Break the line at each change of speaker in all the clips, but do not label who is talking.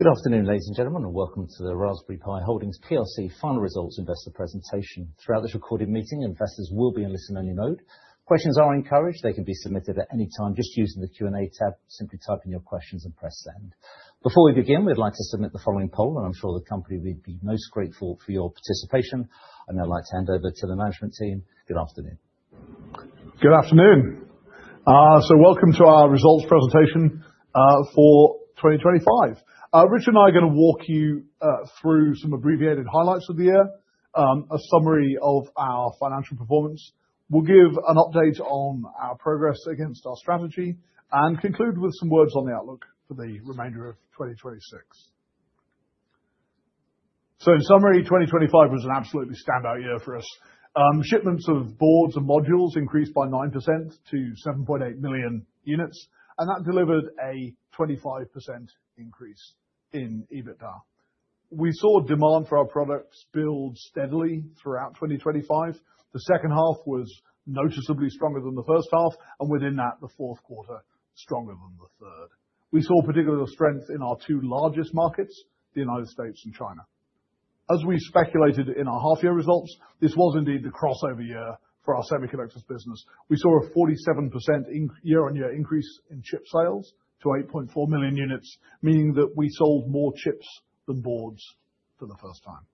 Good afternoon, ladies and gentlemen, and Welcome to the Raspberry Pi Holdings PLC Final Results Investor Presentation. Throughout this recorded meeting, investors will be in listen only mode. Questions are encouraged. They can be submitted at any time just using the Q&A tab. Simply type in your questions and press send. Before we begin, we'd like to submit the following poll, and I'm sure the company will be most grateful for your participation. I'd now like to hand over to the management team. Good afternoon.
Good afternoon. Welcome to our results presentation for 2025. Rich and I are going to walk you through some abbreviated highlights of the year, a summary of our financial performance. We'll give an update on our progress against our strategy and conclude with some words on the outlook for the remainder of 2026. In summary, 2025 was an absolutely standout year for us. Shipments of boards and modules increased by 9% to 7.8 million units, and that delivered a 25% increase in EBITDA. We saw demand for our products build steadily throughout 2025. The second half was noticeably stronger than the first half, and within that, the fourth quarter stronger than the third. We saw particular strength in our two largest markets, the United States and China. As we speculated in our half year results, this was indeed the crossover year for our semiconductors business. We saw a 47% year-on-year increase in chip sales to 8.4 million units, meaning that we sold more chips than boards for the first time.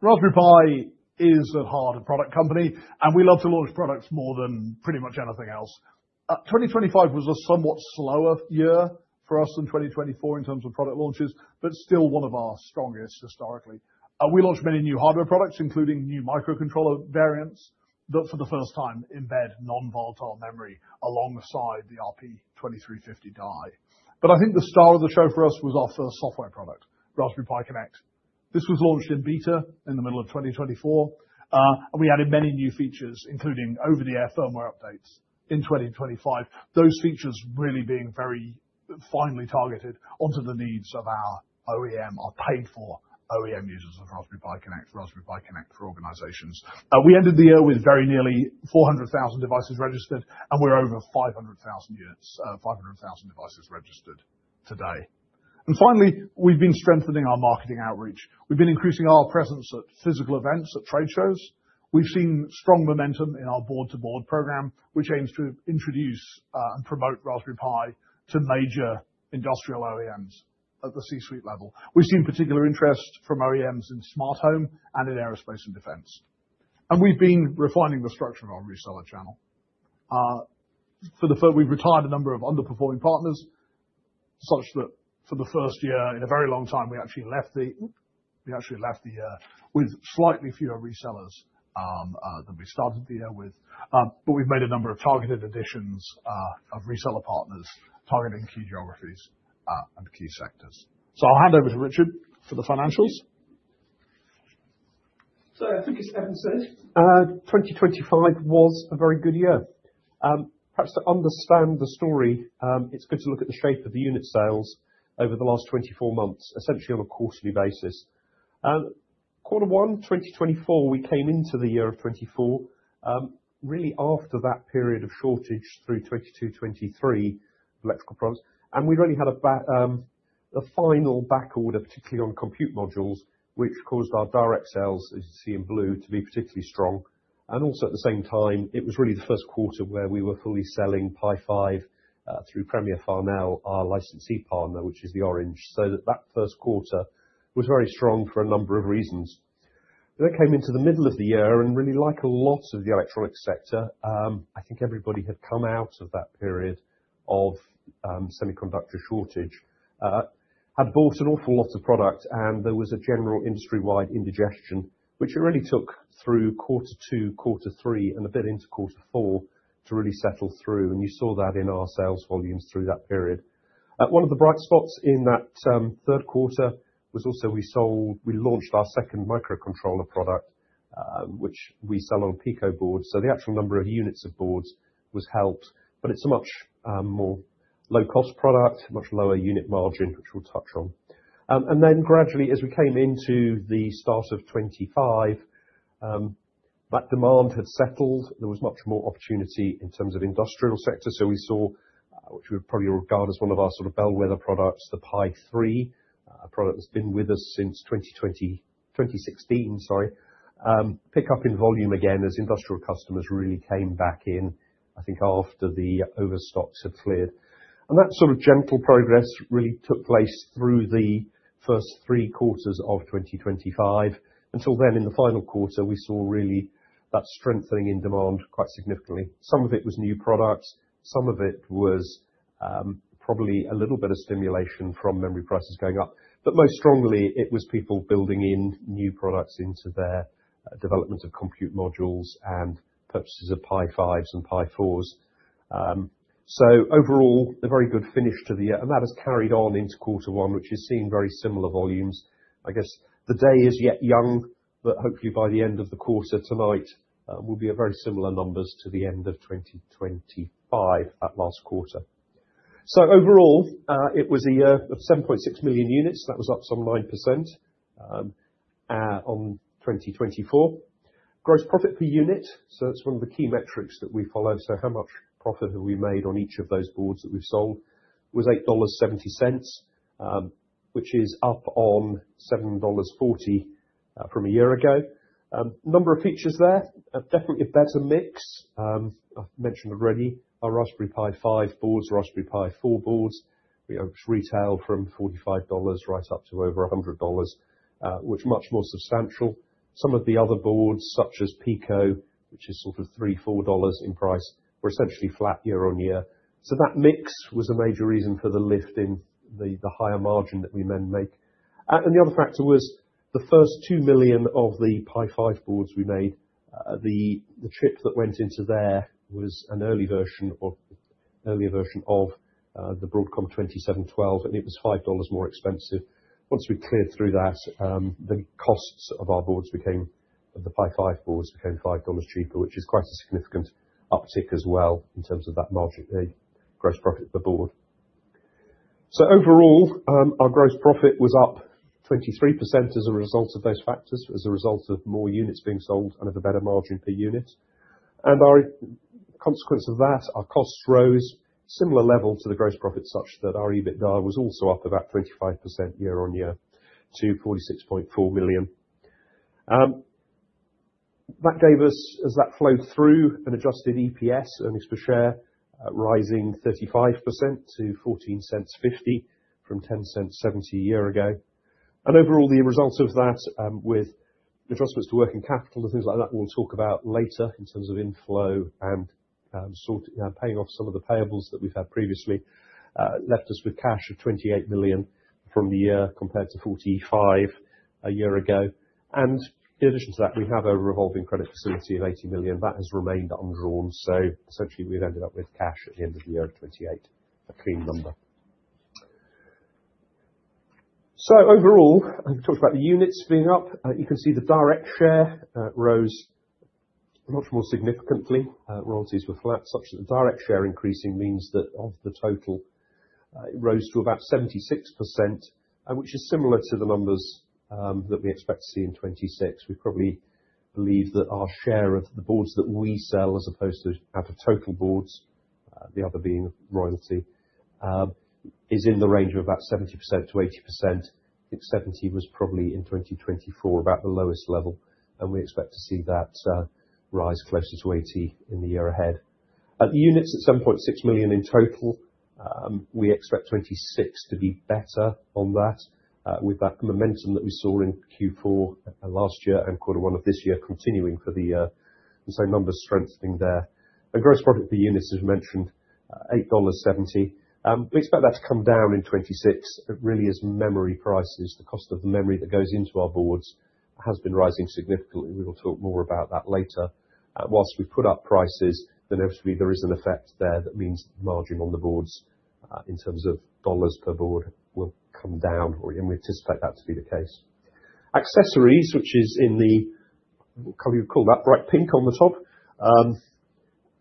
Raspberry Pi is at heart a product company, and we love to launch products more than pretty much anything else. 2025 was a somewhat slower year for us than 2024 in terms of product launches, but still one of our strongest historically. We launched many new hardware products, including new microcontroller variants, that for the first time embed non-volatile memory alongside the RP2350 die. I think the star of the show for us was our first software product, Raspberry Pi Connect. This was launched in beta in the middle of 2024, and we added many new features, including over the air firmware updates in 2025. Those features really being very finely targeted onto the needs of our OEM, our paid-for OEM users of Raspberry Pi Connect, Raspberry Pi Connect for Organizations. We ended the year with very nearly 400,000 devices registered, and we're over 500,000 units, 500,000 devices registered today. Finally, we've been strengthening our marketing outreach. We've been increasing our presence at physical events, at trade shows. We've seen strong momentum in our board-to-board program, which aims to introduce and promote Raspberry Pi to major industrial OEMs at the C-suite level. We've seen particular interest from OEMs in smart home and in aerospace and defense. We've been refining the structure of our reseller channel. We've retired a number of underperforming partners such that for the first year in a very long time, we actually left the year with slightly fewer resellers than we started the year with. We've made a number of targeted additions of reseller partners targeting key geographies and key sectors. I'll hand over to Richard for the financials.
I think as Eben said, 2025 was a very good year. Perhaps to understand the story, it's good to look at the shape of the unit sales over the last 24 months, essentially on a quarterly basis. Quarter one 2024, we came into the year of 2024, really after that period of shortage through 2022, 2023 of electrical products. We'd only had a final back order, particularly on compute modules, which caused our direct sales, as you see in blue, to be particularly strong. Also at the same time, it was really the first quarter where we were fully selling Pi 5 through Premier Farnell, our licensed partner, which is the orange. That first quarter was very strong for a number of reasons. It came into the middle of the year and really like a lot of the electronics sector, I think everybody had come out of that period of semiconductor shortage, had bought an awful lot of product, and there was a general industry-wide indigestion, which it really took through quarter two, quarter three, and a bit into quarter four to really settle through, and you saw that in our sales volumes through that period. One of the bright spots in that third quarter was also we sold, we launched our second microcontroller product, which we sell on Pico board, so the actual number of units of boards was helped, but it's a much more low cost product, much lower unit margin, which we'll touch on. Then gradually, as we came into the start of 2025, that demand had settled. There was much more opportunity in terms of industrial sector. We saw, which we would probably regard as one of our sort of bellwether products, the Pi 3, a product that's been with us since 2016, sorry, pick up in volume again as industrial customers really came back in, I think, after the overstocks had cleared. That sort of gentle progress really took place through the first three quarters of 2025, until then, in the final quarter, we saw really that strengthening in demand quite significantly. Some of it was new products, some of it was probably a little bit of stimulation from memory prices going up. Most strongly it was people building in new products into their development of compute modules and purchases of Pi 5s and Pi 4s. Overall, a very good finish to the year, and that has carried on into quarter one, which has seen very similar volumes. I guess the day is yet young, but hopefully by the end of the quarter tonight, we'll be at very similar numbers to the end of 2025, that last quarter. Overall, it was a year of 7.6 million units. That was up some 9% on 2024. Gross profit per unit, so that's one of the key metrics that we follow. How much profit have we made on each of those boards that we've sold was $8.70, which is up on $7.40 from a year ago. Number of factors there, definitely a better mix. I've mentioned already our Raspberry Pi 5 boards, Raspberry Pi 4 boards, which retail from $45 right up to over $100, which are much more substantial. Some of the other boards such as Pico, which is sort of $3-$4 in price, were essentially flat year-on-year. That mix was a major reason for the lift in the higher margin that we then make. The other factor was the first 2 million of the Pi 5 boards we made, the chip that went into there was an earlier version of the Broadcom BCM2712, and it was $5 more expensive. Once we cleared through that, the costs of the Pi 5 boards became $5 cheaper, which is quite a significant uptick as well in terms of that margin, the gross profit per board. Overall, our gross profit was up 23% as a result of those factors, as a result of more units being sold and of a better margin per unit. Our consequence of that, our costs rose similar level to the gross profit such that our EBITDA was also up about 25% year-on-year to 46.4 million. That gave us, as that flowed through an adjusted EPS, earnings per share, rising 35% to 14.50 pence from 10.70 pence a year ago. Overall the result of that, with adjustments to working capital and things like that, we'll talk about later in terms of inflow and paying off some of the payables that we've had previously, left us with cash of 28 million from the year compared to 45 million a year ago. In addition to that, we have a revolving credit facility of 80 million that has remained undrawn. Essentially we've ended up with cash at the end of the year of 28 million, a clean number. Overall, I talked about the units being up. You can see the direct share rose much more significantly. Royalties were flat, such that the direct share increasing means that of the total, it rose to about 76%, which is similar to the numbers that we expect to see in 2026. We probably believe that our share of the boards that we sell as opposed to out of total boards, the other being royalty, is in the range of about 70%-80%. I think 70% was probably in 2024 about the lowest level, and we expect to see that rise closer to 80% in the year ahead. At the units at 7.6 million in total, we expect 2026 to be better on that, with that momentum that we saw in Q4 last year and quarter one of this year continuing for the year, and so numbers strengthening there. Gross profit per unit, as mentioned, $8.70. We expect that to come down in 2026. It really is memory prices, the cost of the memory that goes into our boards has been rising significantly. We will talk more about that later. While we've put up prices, then obviously there is an effect there that means margin on the boards, in terms of dollars per board, will come down or we anticipate that to be the case. Accessories, which is in the, what color you call that? Bright pink on the top.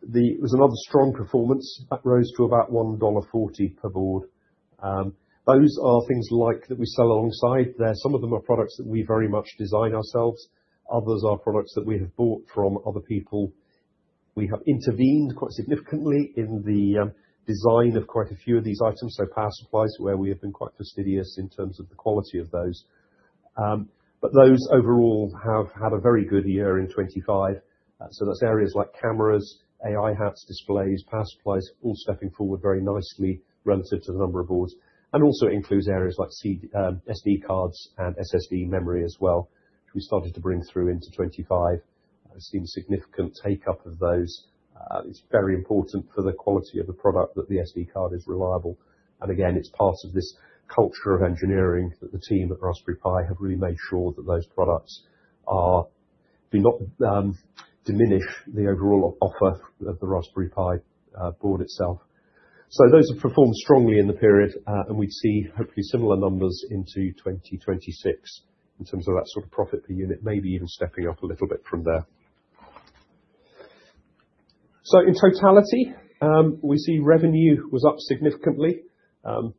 It was another strong performance. That rose to about $1.40 per board. Those are things like that we sell alongside. Some of them are products that we very much design ourselves. Others are products that we have bought from other people. We have intervened quite significantly in the design of quite a few of these items, so power supplies, where we have been quite fastidious in terms of the quality of those. Those overall have had a very good year in 2025. That's areas like cameras, AI HATs, displays, power supplies, all stepping forward very nicely relative to the number of boards, and also includes areas like SD cards and SSD memory as well. We started to bring through into 2025. I've seen significant take-up of those. It's very important for the quality of the product that the SD card is reliable. Again, it's part of this culture of engineering that the team at Raspberry Pi have really made sure that those products do not diminish the overall offer of the Raspberry Pi board itself. Those have performed strongly in the period, and we see hopefully similar numbers into 2026 in terms of that sort of profit per unit, maybe even stepping up a little bit from there. In totality, we see revenue was up significantly, really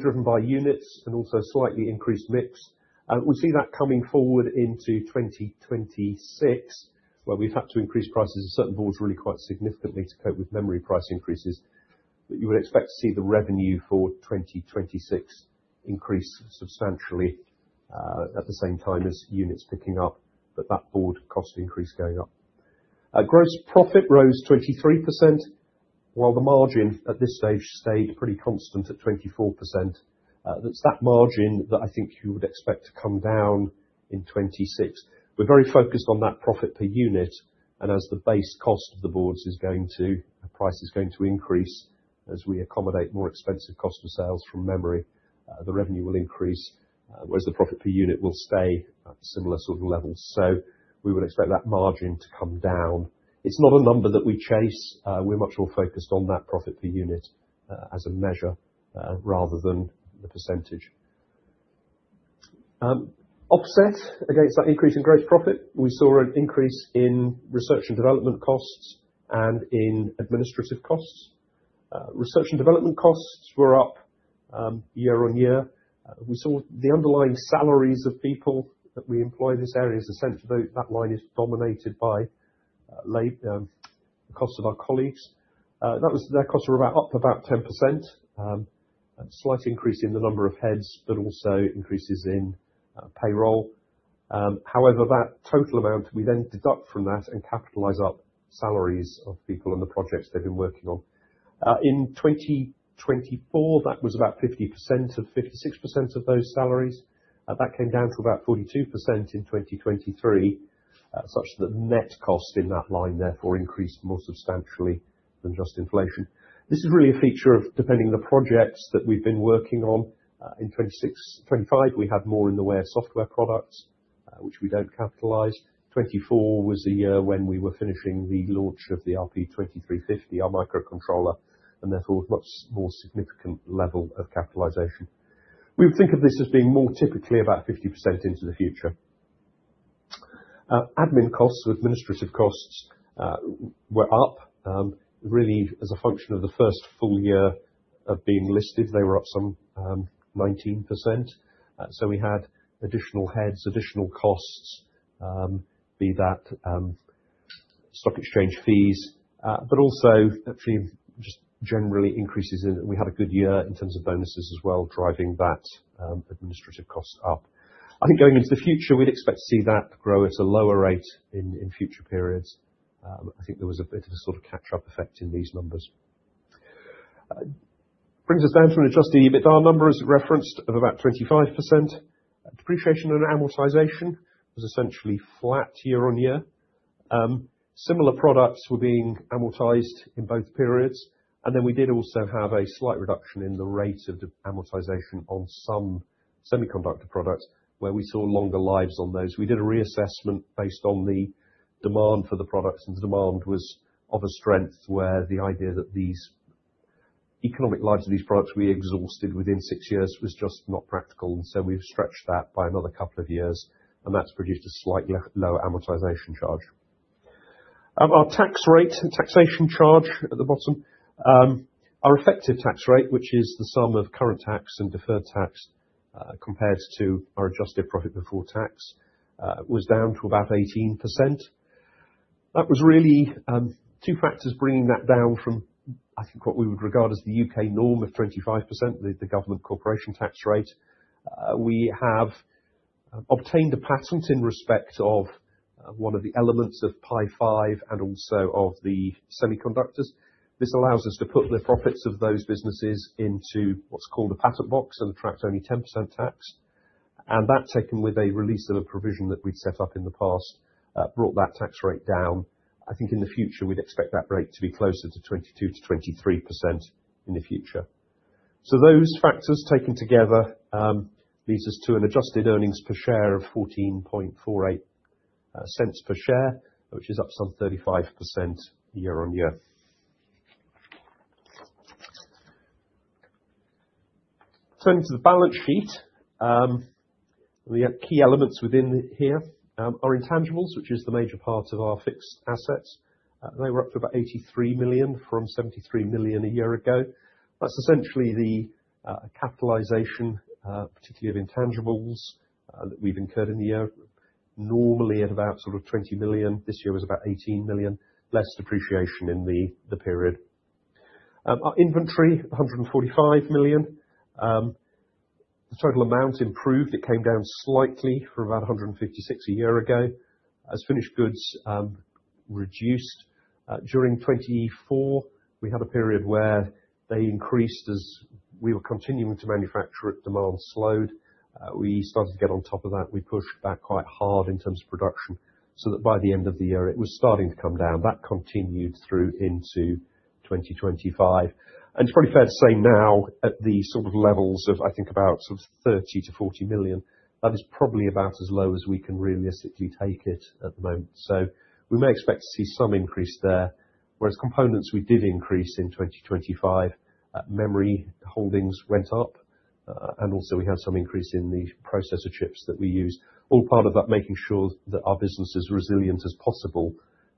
driven by units and also slightly increased mix. We see that coming forward into 2026, where we've had to increase prices of certain boards really quite significantly to cope with memory price increases. You would expect to see the revenue for 2026 increase substantially, at the same time as units picking up, but that board cost increase going up. Gross profit rose 23%, while the margin at this stage stayed pretty constant at 24%. That's that margin that I think you would expect to come down in 2026. We're very focused on that profit per unit, and as the base cost of the boards is going to, the price is going to increase as we accommodate more expensive cost of sales from memory. The revenue will increase, whereas the profit per unit will stay at similar sort of levels. We would expect that margin to come down. It's not a number that we chase. We're much more focused on that profit per unit as a measure rather than the percentage. Offset against that increase in gross profit, we saw an increase in research and development costs and in administrative costs. Research and development costs were up year-over-year. We saw the underlying salaries of people that we employ in this area, as I said, that line is dominated by the cost of our colleagues. Their costs were up about 10%, a slight increase in the number of heads, but also increases in payroll. However, that total amount we then deduct from that and capitalize salaries of people on the projects they've been working on. In 2024, that was about 50% or 56% of those salaries. That came down to about 42% in 2023, such that net cost in that line therefore increased more substantially than just inflation. This is really a feature of, depending on the projects that we've been working on. In 2025, we had more in the way of software products, which we don't capitalize. 2024 was the year when we were finishing the launch of the RP2350, our microcontroller, and therefore a much more significant level of capitalization. We would think of this as being more typically about 50% into the future. Admin costs or administrative costs were up, really as a function of the first full year of being listed. They were up some 19%. We had additional heads, additional costs, be that stock exchange fees, but also just generally increases. We had a good year in terms of bonuses as well, driving that administrative cost up. I think going into the future, we'd expect to see that grow at a lower rate in future periods. I think there was a bit of a catch-up effect in these numbers. Brings us down to an adjusted EBITDA number as referenced of about 25%. Depreciation and amortization was essentially flat year-over-year. Similar products were being amortized in both periods. Then we did also have a slight reduction in the rate of amortization on some semiconductor products where we saw longer lives on those. We did a reassessment based on the demand for the products, and demand was of a strength where the idea that these economic lives of these products be exhausted within six years was just not practical. We've stretched that by another couple of years, and that's produced a slightly lower amortization charge. Our tax rate and taxation charge at the bottom. Our effective tax rate, which is the sum of current tax and deferred tax, compared to our adjusted profit before tax, was down to about 18%. That was really two factors bringing that down from, I think, what we would regard as the U.K. norm of 25%, the government corporation tax rate. We have obtained a patent in respect of one of the elements of Pi 5 and also of the semiconductors. This allows us to put the profits of those businesses into what's called a Patent Box and attract only 10% tax. That taken with a release of a provision that we'd set up in the past, brought that tax rate down. I think in the future, we'd expect that rate to be closer to 22%-23% in the future. Those factors taken together leads us to an adjusted earnings per share of $0.1448 per share, which is up some 35% year-over-year. Turning to the balance sheet. The key elements within here are intangibles, which is the major part of our fixed assets. They were up to about $83 million from $73 million a year ago. That's essentially the capitalization, particularly of intangibles that we've incurred in the year, normally at about $20 million. This year was about $18 million. Less depreciation in the period. Our inventory, 145 million. The total amount improved. It came down slightly from about 156 million a year ago, as finished goods reduced. During 2024, we had a period where they increased as we were continuing to manufacture it, demand slowed. We started to get on top of that. We pushed back quite hard in terms of production, so that by the end of the year it was starting to come down. That continued through into 2025. It's probably fair to say now at the levels of, I think about 30 million-40 million, that is probably about as low as we can realistically take it at the moment. We may expect to see some increase there. Whereas components we did increase in 2025. Memory holdings went up, and also we had some increase in the processor chips that we used. All part of that making sure that our business is as resilient as possible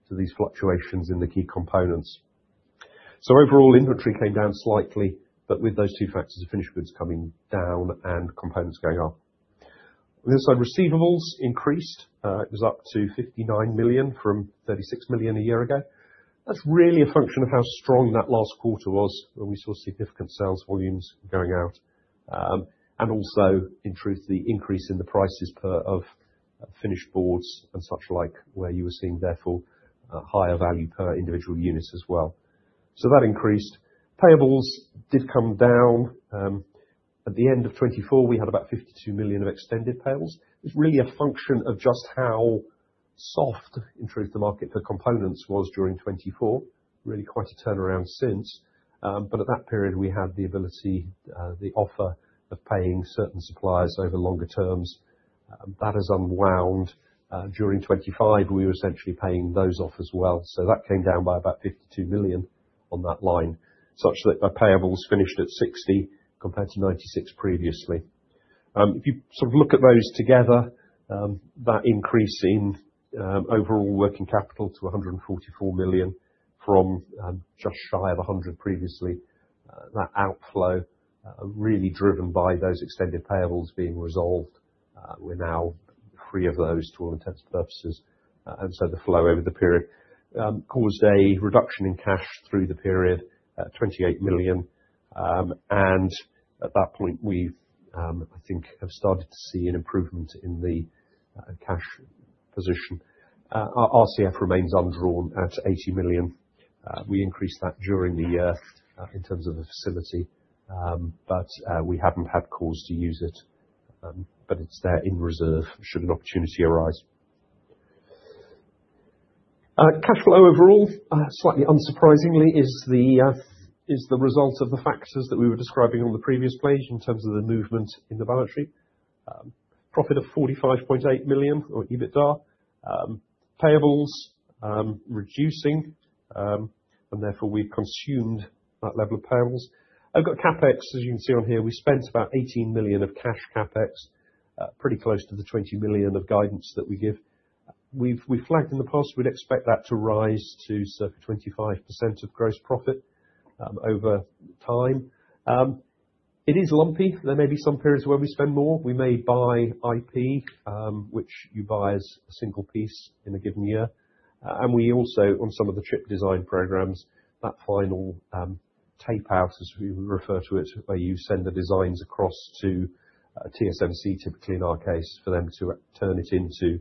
to these fluctuations in the key components. Overall inventory came down slightly, but with those two factors of finished goods coming down and components going up. On this side, receivables increased. It was up to 59 million from 36 million a year ago. That's really a function of how strong that last quarter was, where we saw significant sales volumes going out. And also in truth, the increase in the prices of finished boards and such like where you were seeing therefore a higher value per individual unit as well. That increased. Payables did come down. At the end of 2024, we had about 52 million of extended payables. It's really a function of just how soft, in truth, the market for components was during 2024. Really quite a turnaround since. At that period, we had the ability, the offer of paying certain suppliers over longer terms. That has unwound during 2025. We were essentially paying those off as well. That came down by about 52 million on that line, such that our payables finished at 60 million compared to 96 million previously. If you look at those together, that increase in overall working capital to 144 million from just shy of 100 million previously, that outflow really driven by those extended payables being resolved. We're now free of those to all intents and purposes. The flow over the period caused a reduction in cash through the period, 28 million. At that point, we've, I think, have started to see an improvement in the cash position. Our RCF remains undrawn at 80 million. We increased that during the year in terms of the facility. We haven't had cause to use it. It's there in reserve should an opportunity arise. Cash flow overall, slightly unsurprisingly is the result of the factors that we were describing on the previous page in terms of the movement in the balance sheet. Profit of 45.8 million or EBITDA. Payables reducing, and therefore, we've consumed that level of payables. I've got CapEx, as you can see on here. We spent about 18 million of cash CapEx, pretty close to the 20 million of guidance that we give. We've flagged in the past, we'd expect that to rise to 25% of gross profit over time. It is lumpy. There may be some periods where we spend more. We may buy IP, which you buy as a single piece in a given year. We also, on some of the chip design programs, that final tape-out, as we refer to it, where you send the designs across to TSMC, typically in our case, for them to turn it into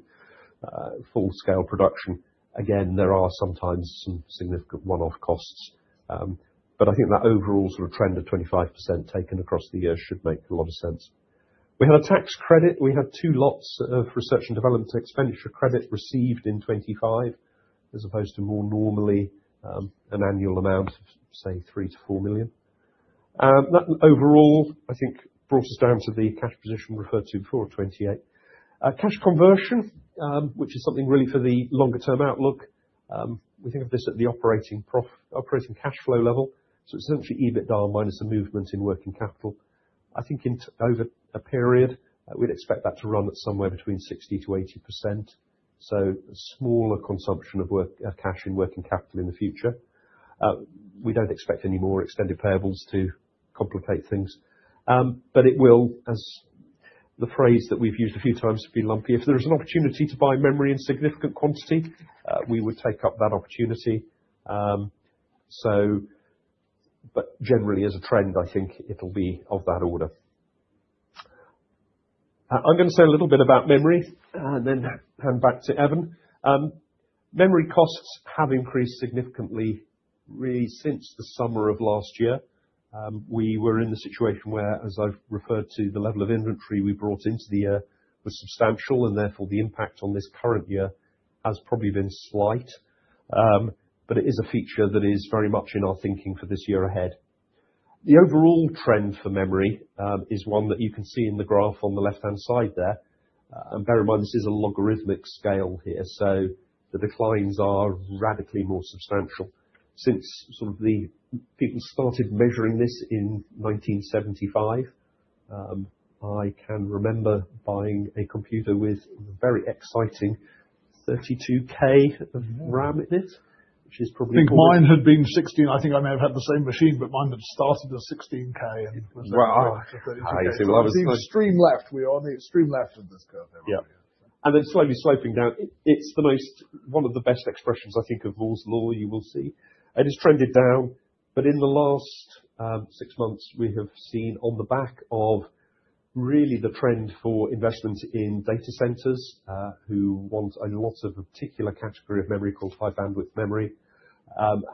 full-scale production. Again, there are sometimes some significant one-off costs. I think that overall trend of 25% taken across the year should make a lot of sense. We had a tax credit. We had two lots of research and development expenditure credit received in 2025, as opposed to more normally, an annual amount of, say, 3 million-4 million. That overall, I think, brought us down to the cash position we referred to for 2028. Cash conversion, which is something really for the longer term outlook. We think of this at the operating cash flow level. It's essentially EBITDA minus the movement in working capital. I think over a period, we'd expect that to run at somewhere between 60%-80%. Smaller consumption of cash and working capital in the future. We don't expect any more extended payables to complicate things. It will, as the phrase that we've used a few times, be lumpy. If there is an opportunity to buy memory in significant quantity, we would take up that opportunity. Generally, as a trend, I think it'll be of that order. I'm going to say a little bit about memory and then hand back to Eben. Memory costs have increased significantly, really since the summer of last year. We were in the situation where, as I've referred to, the level of inventory we brought into the year was substantial, and therefore the impact on this current year has probably been slight. It is a feature that is very much in our thinking for this year ahead. The overall trend for memory is one that you can see in the graph on the left-hand side there. Bear in mind, this is a logarithmic scale here, so the declines are radically more substantial since people started measuring this in 1975. I can remember buying a computer with very exciting 32K of RAM in it, which is probably
I think mine had been 16. I think I may have had the same machine, but mine had started at 16K and was up to 32K.
Right.
We're on the extreme left of this curve here.
Yeah. Then slowly swiping down. It's one of the best expressions I think, of Moore's Law you will see, and it's trended down. In the last six months, we have seen on the back of really the trend for investment in data centers, who want a lot of a particular category of memory called High Bandwidth Memory,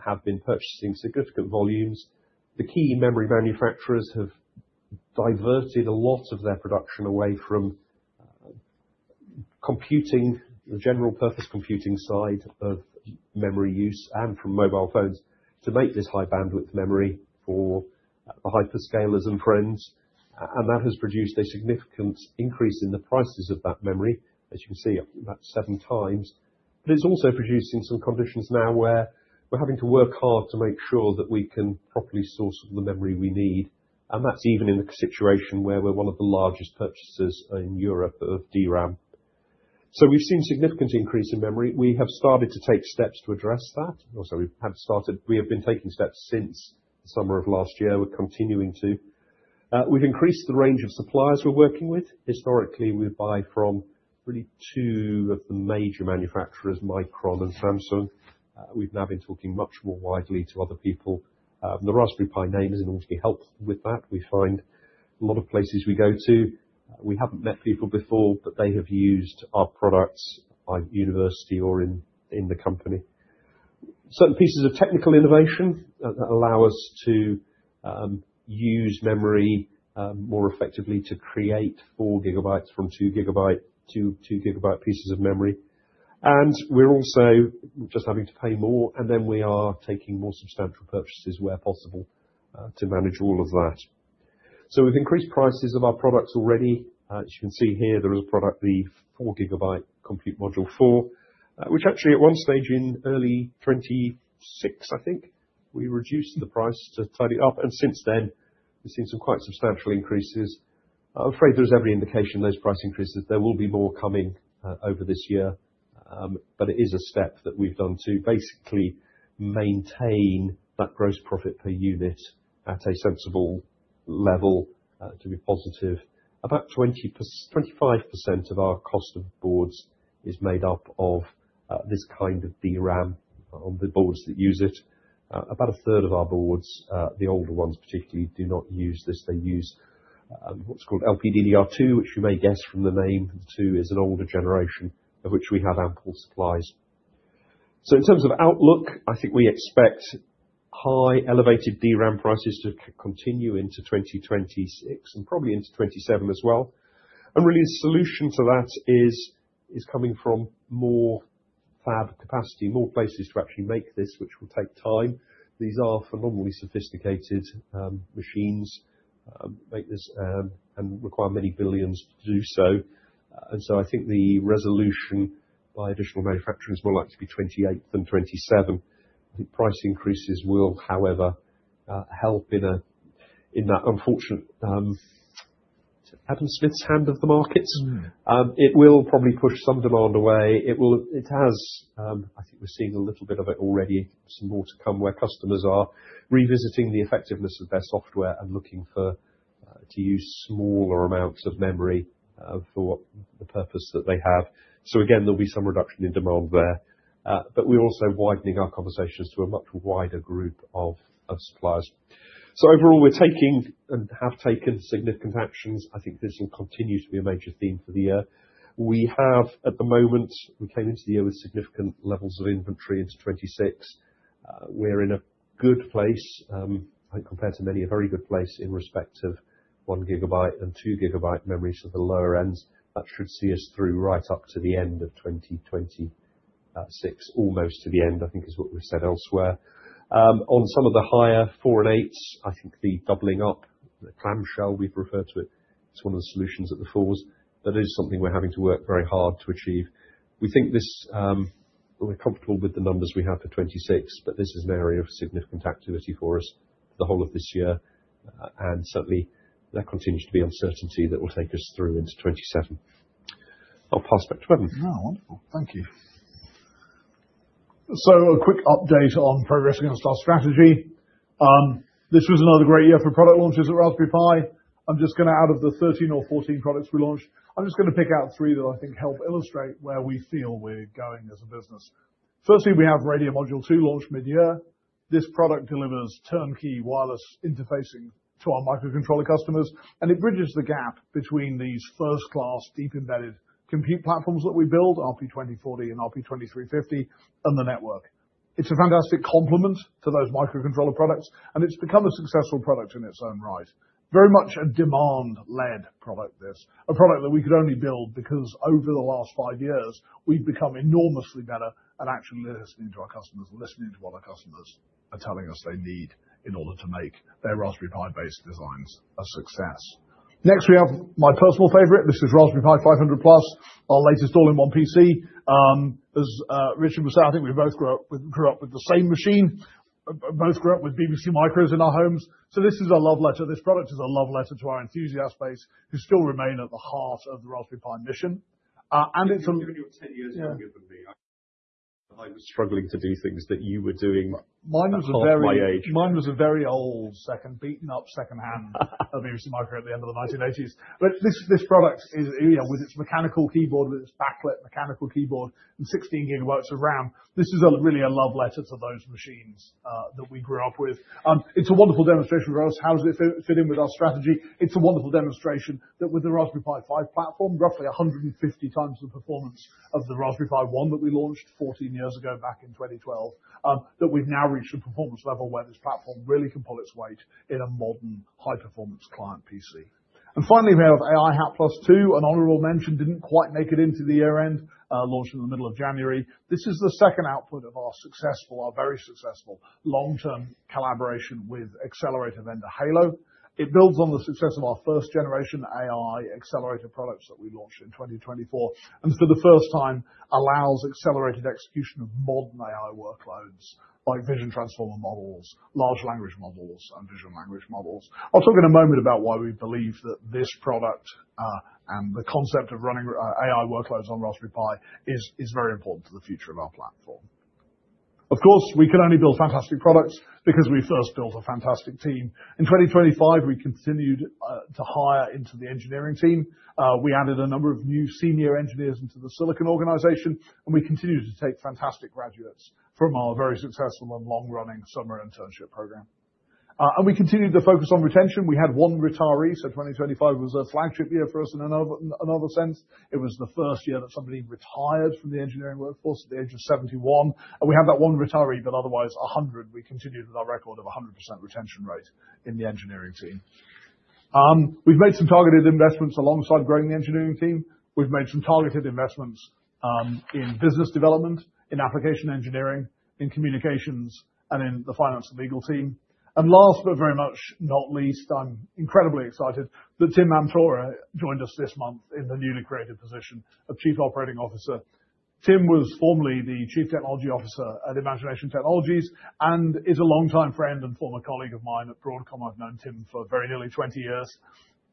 have been purchasing significant volumes. The key memory manufacturers have diverted a lot of their production away from computing, the general purpose computing side of memory use, and from mobile phones, to make this High Bandwidth Memory for the hyperscalers and friends. That has produced a significant increase in the prices of that memory, as you can see, up about 7x. It's also producing some conditions now where we're having to work hard to make sure that we can properly source the memory we need. That's even in a situation where we're one of the largest purchasers in Europe of DRAM. We've seen a significant increase in memory. We have started to take steps to address that. Also, we have been taking steps since the summer of last year. We're continuing to. We've increased the range of suppliers we're working with. Historically, we buy from really two of the major manufacturers, Micron and Samsung. We've now been talking much more widely to other people. The Raspberry Pi name has enormously helped with that. We find a lot of places we go to, we haven't met people before, but they have used our products either at university or in the company. Certain pieces of technical innovation that allow us to use memory more effectively to create 4 GB from 2 GB pieces of memory. We're also just having to pay more, and then we are taking more substantial purchases where possible to manage all of that. We've increased prices of our products already. As you can see here, there is a product, the 4 GB Compute Module 4, which actually at one stage in early 2026, I think, we reduced the price to tidy up, and since then we've seen some quite substantial increases. I'm afraid there's every indication those price increases. There will be more coming over this year. It is a step that we've done to basically maintain that gross profit per unit at a sensible level to be positive. About 25% of our cost of boards is made up of this kind of DRAM on the boards that use it. About a third of our boards, the older ones particularly, do not use this. They use what's called LPDDR2, which you may guess from the name two, is an older generation of which we have ample supplies. In terms of outlook, I think we expect high elevated DRAM prices to continue into 2026 and probably into 2027 as well. Really the solution to that is coming from more fab capacity, more places to actually make this, which will take time. These are phenomenally sophisticated machines and require many billions to do so. I think the resolution by additional manufacturers will likely be 2028 than 2027. I think price increases will, however, help in that unfortunate Adam Smith's hand of the markets. It will probably push some demand away. I think we're seeing a little bit of it already, some more to come where customers are revisiting the effectiveness of their software and looking to use smaller amounts of memory for the purpose that they have. Again, there'll be some reduction in demand there. We're also widening our conversations to a much wider group of suppliers. Overall, we're taking and have taken significant actions. I think this will continue to be a major theme for the year. We have at the moment, we came into the year with significant levels of inventory into 2026. We're in a good place, I think compared to many, a very good place in respect of 1 GB and 2 GB memories at the lower end. That should see us through right up to the end of 2026, almost to the end, I think is what we've said elsewhere. On some of the higher four and eights, I think the doubling up, the clamshell we've referred to it as one of the solutions at the fours. That is something we're having to work very hard to achieve. We think we're comfortable with the numbers we have for 2026, but this is an area of significant activity for us the whole of this year. Certainly there continues to be uncertainty that will take us through into 2027. I'll pass back to Eben.
No, wonderful. Thank you. A quick update on progressing on our star strategy. This was another great year for product launches at Raspberry Pi. Out of the 13 or 14 products we launched, I'm just going to pick out three that I think help illustrate where we feel we're going as a business. Firstly, we have Radio Module 2 launched mid-year. This product delivers turnkey wireless interfacing to our microcontroller customers, and it bridges the gap between these first-class deep embedded compute platforms that we build, RP2040 and RP2350, and the network. It's a fantastic complement to those microcontroller products, and it's become a successful product in its own right. Very much a demand-led product, this. A product that we could only build because over the last five years we've become enormously better at actually listening to our customers and listening to what our customers are telling us they need in order to make their Raspberry Pi based designs a success. Next, we have my personal favorite. This is Raspberry Pi 500+, our latest all-in-one PC. As Richard was saying, I think we both grew up with the same machine, both grew up with BBC Micros in our homes. This is a love letter. This product is a love letter to our enthusiast base who still remain at the heart of the Raspberry Pi mission. It's a-
I think you're 10 years younger than me. I was struggling to do things that you were doing at half my age.
Mine was a very old, beaten up secondhand BBC Micro at the end of the 1980s. This product with its mechanical keyboard, with its backlit mechanical keyboard and 16 GB of RAM, this is really a love letter to those machines that we grew up with. It's a wonderful demonstration for us. How does it fit in with our strategy? It's a wonderful demonstration that with the Raspberry Pi 5 platform, roughly 150x the performance of the Raspberry Pi 1 that we launched 14 years ago back in 2012, that we've now reached a performance level where this platform really can pull its weight in a modern high-performance client PC. Finally, we have AI HAT+ 2. An honorable mention, didn't quite make it into the year-end. Launched in the middle of January. This is the second output of our very successful long-term collaboration with accelerator vendor Hailo. It builds on the success of our first generation AI accelerator products that we launched in 2024, and for the first time allows accelerated execution of modern AI workloads like Vision Transformer models, large language models, and visual language models. I'll talk in a moment about why we believe that this product, and the concept of running AI workloads on Raspberry Pi is very important to the future of our platform. Of course, we can only build fantastic products because we first built a fantastic team. In 2025, we continued to hire into the engineering team. We added a number of new senior engineers into the Silicon organization, and we continued to take fantastic graduates from our very successful and long-running summer internship program. We continued to focus on retention. We had one retiree, so 2025 was a flagship year for us in another sense. It was the first year that somebody retired from the engineering workforce at the age of 71, and we had that one retiree, but otherwise 100%. We continued with our record of 100% retention rate in the engineering team. We've made some targeted investments alongside growing the engineering team. We've made some targeted investments in business development, in application engineering, in communications, and in the finance and legal team. Last, but very much not least, I'm incredibly excited that Tim Mamtora joined us this month in the newly created position of Chief Operating Officer. Tim was formerly the Chief Technology Officer at Imagination Technologies and is a longtime friend and former colleague of mine at Broadcom. I've known Tim for very nearly 20 years.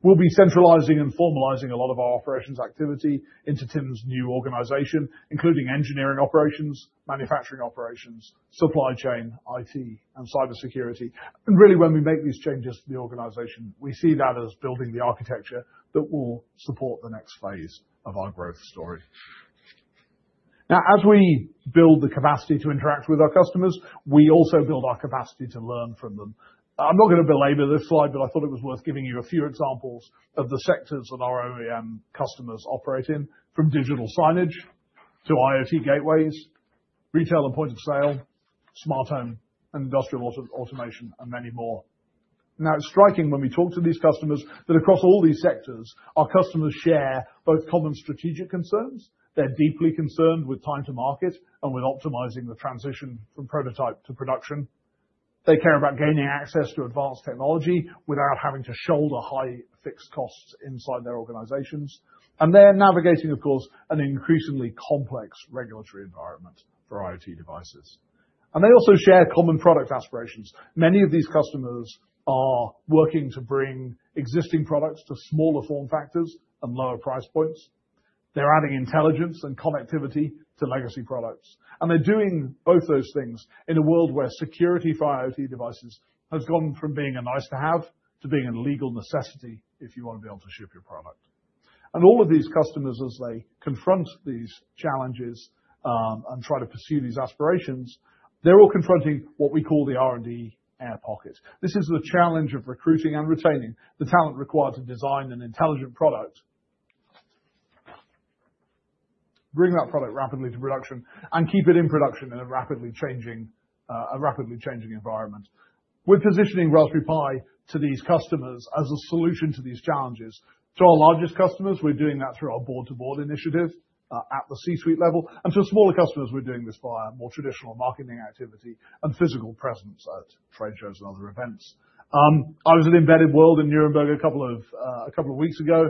We'll be centralizing and formalizing a lot of our operations activity into Tim's new organization, including engineering operations, manufacturing operations, supply chain, IT, and cybersecurity. Really, when we make these changes to the organization, we see that as building the architecture that will support the next phase of our growth story. Now, as we build the capacity to interact with our customers, we also build our capacity to learn from them. I'm not going to belabor this slide, but I thought it was worth giving you a few examples of the sectors that our OEM customers operate in, from digital signage to IoT gateways, retail and point-of-sale, smart home, and industrial automation, and many more. Now, it's striking when we talk to these customers that across all these sectors, our customers share both common strategic concerns. They're deeply concerned with time to market and with optimizing the transition from prototype to production. They care about gaining access to advanced technology without having to shoulder high fixed costs inside their organizations. They're navigating, of course, an increasingly complex regulatory environment for IoT devices. They also share common product aspirations. Many of these customers are working to bring existing products to smaller form factors and lower price points. They're adding intelligence and connectivity to legacy products, and they're doing both those things in a world where security for IoT devices has gone from being a nice-to-have to being a legal necessity if you want to be able to ship your product. All of these customers, as they confront these challenges, and try to pursue these aspirations, they're all confronting what we call the R&D air pocket. This is the challenge of recruiting and retaining the talent required to design an intelligent product, bring that product rapidly to production, and keep it in production in a rapidly changing environment. We're positioning Raspberry Pi to these customers as a solution to these challenges. To our largest customers, we're doing that through our board-to-board initiative, at the C-suite level. To smaller customers, we're doing this via more traditional marketing activity and physical presence at trade shows and other events. I was at Embedded World in Nuremberg a couple of weeks ago,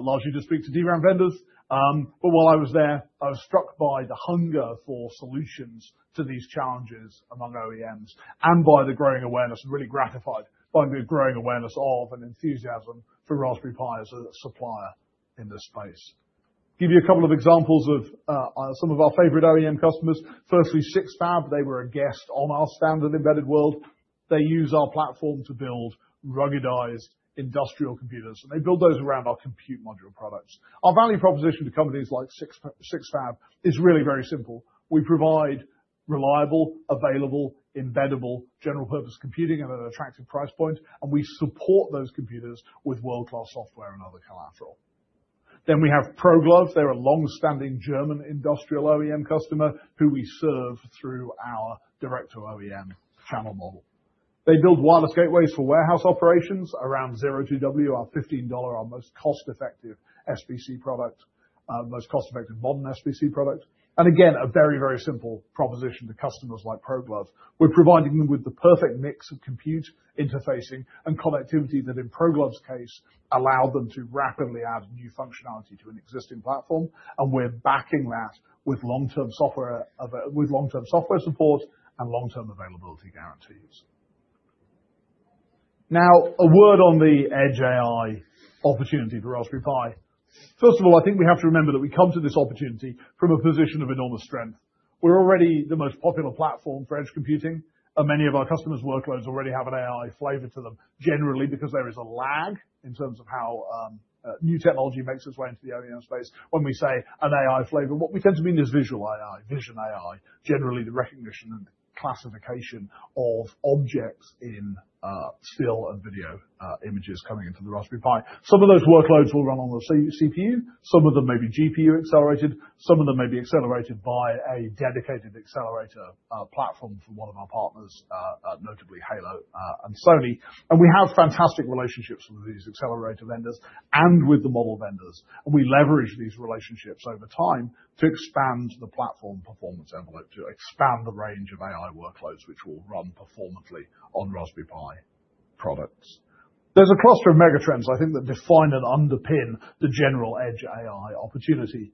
largely to speak to DRAM vendors. While I was there, I was struck by the hunger for solutions to these challenges among OEMs and by the growing awareness, and really gratified by the enthusiasm for Raspberry Pi as a supplier in this space. Give you a couple of examples of some of our favorite OEM customers. Firstly, Sixfab. They were a guest on our stand at Embedded World. They use our platform to build ruggedized industrial computers, and they build those around our Compute Module products. Our value proposition to companies like Sixfab is really very simple. We provide reliable, available, embeddable, general purpose computing at an attractive price point, and we support those computers with world-class software and other collateral. We have ProGlove. They're a long-standing German industrial OEM customer who we serve through our direct-to-OEM channel model. They build wireless gateways for warehouse operations around Zero 2 W, our $15, our most cost-effective modern SBC product, and again, a very, very simple proposition to customers like ProGlove. We're providing them with the perfect mix of compute interfacing and connectivity that in ProGlove's case, allow them to rapidly add new functionality to an existing platform, and we're backing that with long-term software support and long-term availability guarantees. Now, a word on the Edge AI opportunity for Raspberry Pi. First of all, I think we have to remember that we come to this opportunity from a position of enormous strength. We're already the most popular platform for edge computing, and many of our customers' workloads already have an AI flavor to them, generally because there is a lag in terms of how new technology makes its way into the OEM space. When we say an AI flavor, what we tend to mean is visual AI, vision AI, generally the recognition and classification of objects in still and video images coming into the Raspberry Pi. Some of those workloads will run on the CPU, some of them may be GPU accelerated, some of them may be accelerated by a dedicated accelerator platform from one of our partners, notably Hailo and Sony. We have fantastic relationships with these accelerator vendors and with the model vendors, and we leverage these relationships over time to expand the platform performance envelope, to expand the range of AI workloads which will run performantly on Raspberry Pi products. There's a cluster of mega trends I think that define and underpin the general Edge AI opportunity.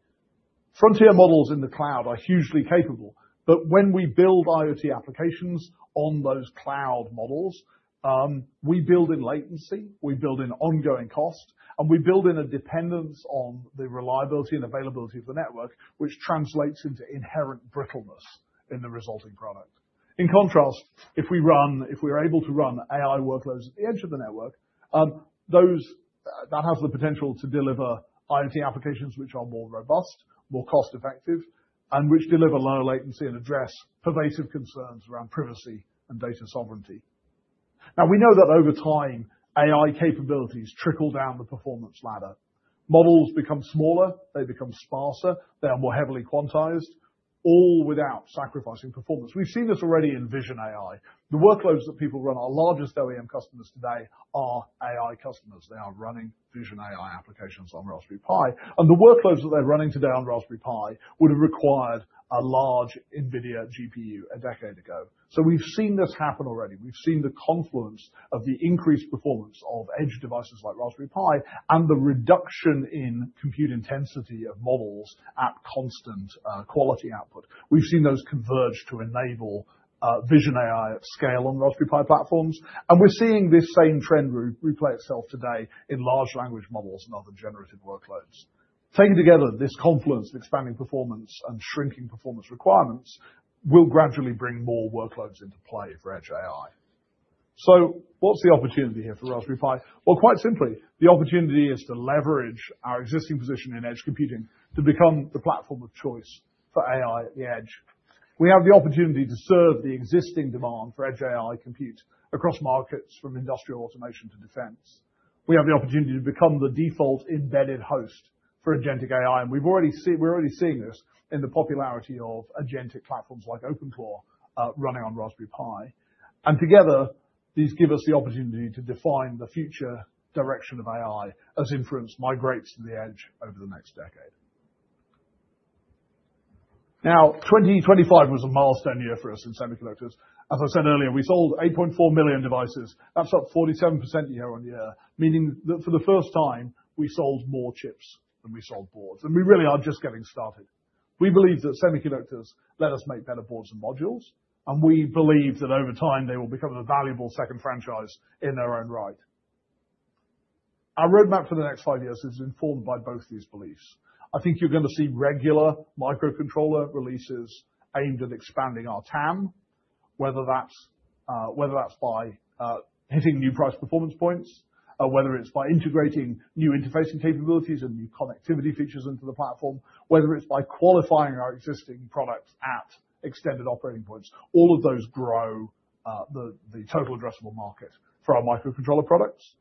Frontier models in the cloud are hugely capable, but when we build IoT applications on those cloud models, we build in latency, we build in ongoing cost, and we build in a dependence on the reliability and availability of the network, which translates into inherent brittleness in the resulting product. In contrast, if we are able to run AI workloads at the edge of the network, that has the potential to deliver IoT applications which are more robust, more cost-effective, and which deliver low latency and address pervasive concerns around privacy and data sovereignty. Now we know that over time, AI capabilities trickle down the performance ladder. Models become smaller, they become sparser, they are more heavily quantized. All without sacrificing performance. We've seen this already in vision AI. The workloads that people run, our largest OEM customers today are AI customers. They are running vision AI applications on Raspberry Pi. The workloads that they're running today on Raspberry Pi would've required a large NVIDIA GPU a decade ago. We've seen this happen already. We've seen the confluence of the increased performance of edge devices like Raspberry Pi and the reduction in compute intensity of models at constant quality output. We've seen those converge to enable Vision AI at scale on Raspberry Pi platforms. We're seeing this same trend replay itself today in large language models and other generative workloads. Taken together, this confluence, expanding performance and shrinking performance requirements will gradually bring more workloads into play for Edge AI. What's the opportunity here for Raspberry Pi? Well, quite simply, the opportunity is to leverage our existing position in edge computing to become the platform of choice for AI at the edge. We have the opportunity to serve the existing demand for Edge AI compute across markets, from industrial automation to defense. We have the opportunity to become the default embedded host for Agentic AI. We're already seeing this in the popularity of agentic platforms like OpenClaw running on Raspberry Pi. Together, these give us the opportunity to define the future direction of AI as inference migrates to the edge over the next decade. Now, 2025 was a milestone year for us in semiconductors. As I said earlier, we sold 8.4 million devices. That's up 47% year-on-year, meaning that for the first time, we sold more chips than we sold boards. We really are just getting started. We believe that semiconductors let us make better boards and modules, and we believe that over time they will become a valuable second franchise in their own right. Our roadmap for the next five years is informed by both these beliefs. I think you're going to see regular microcontroller releases aimed at expanding our TAM, whether that's by hitting new price performance points, or whether it's by integrating new interfacing capabilities and new connectivity features into the platform, whether it's by qualifying our existing products at extended operating points. All of those grow the total addressable market for our microcontroller products.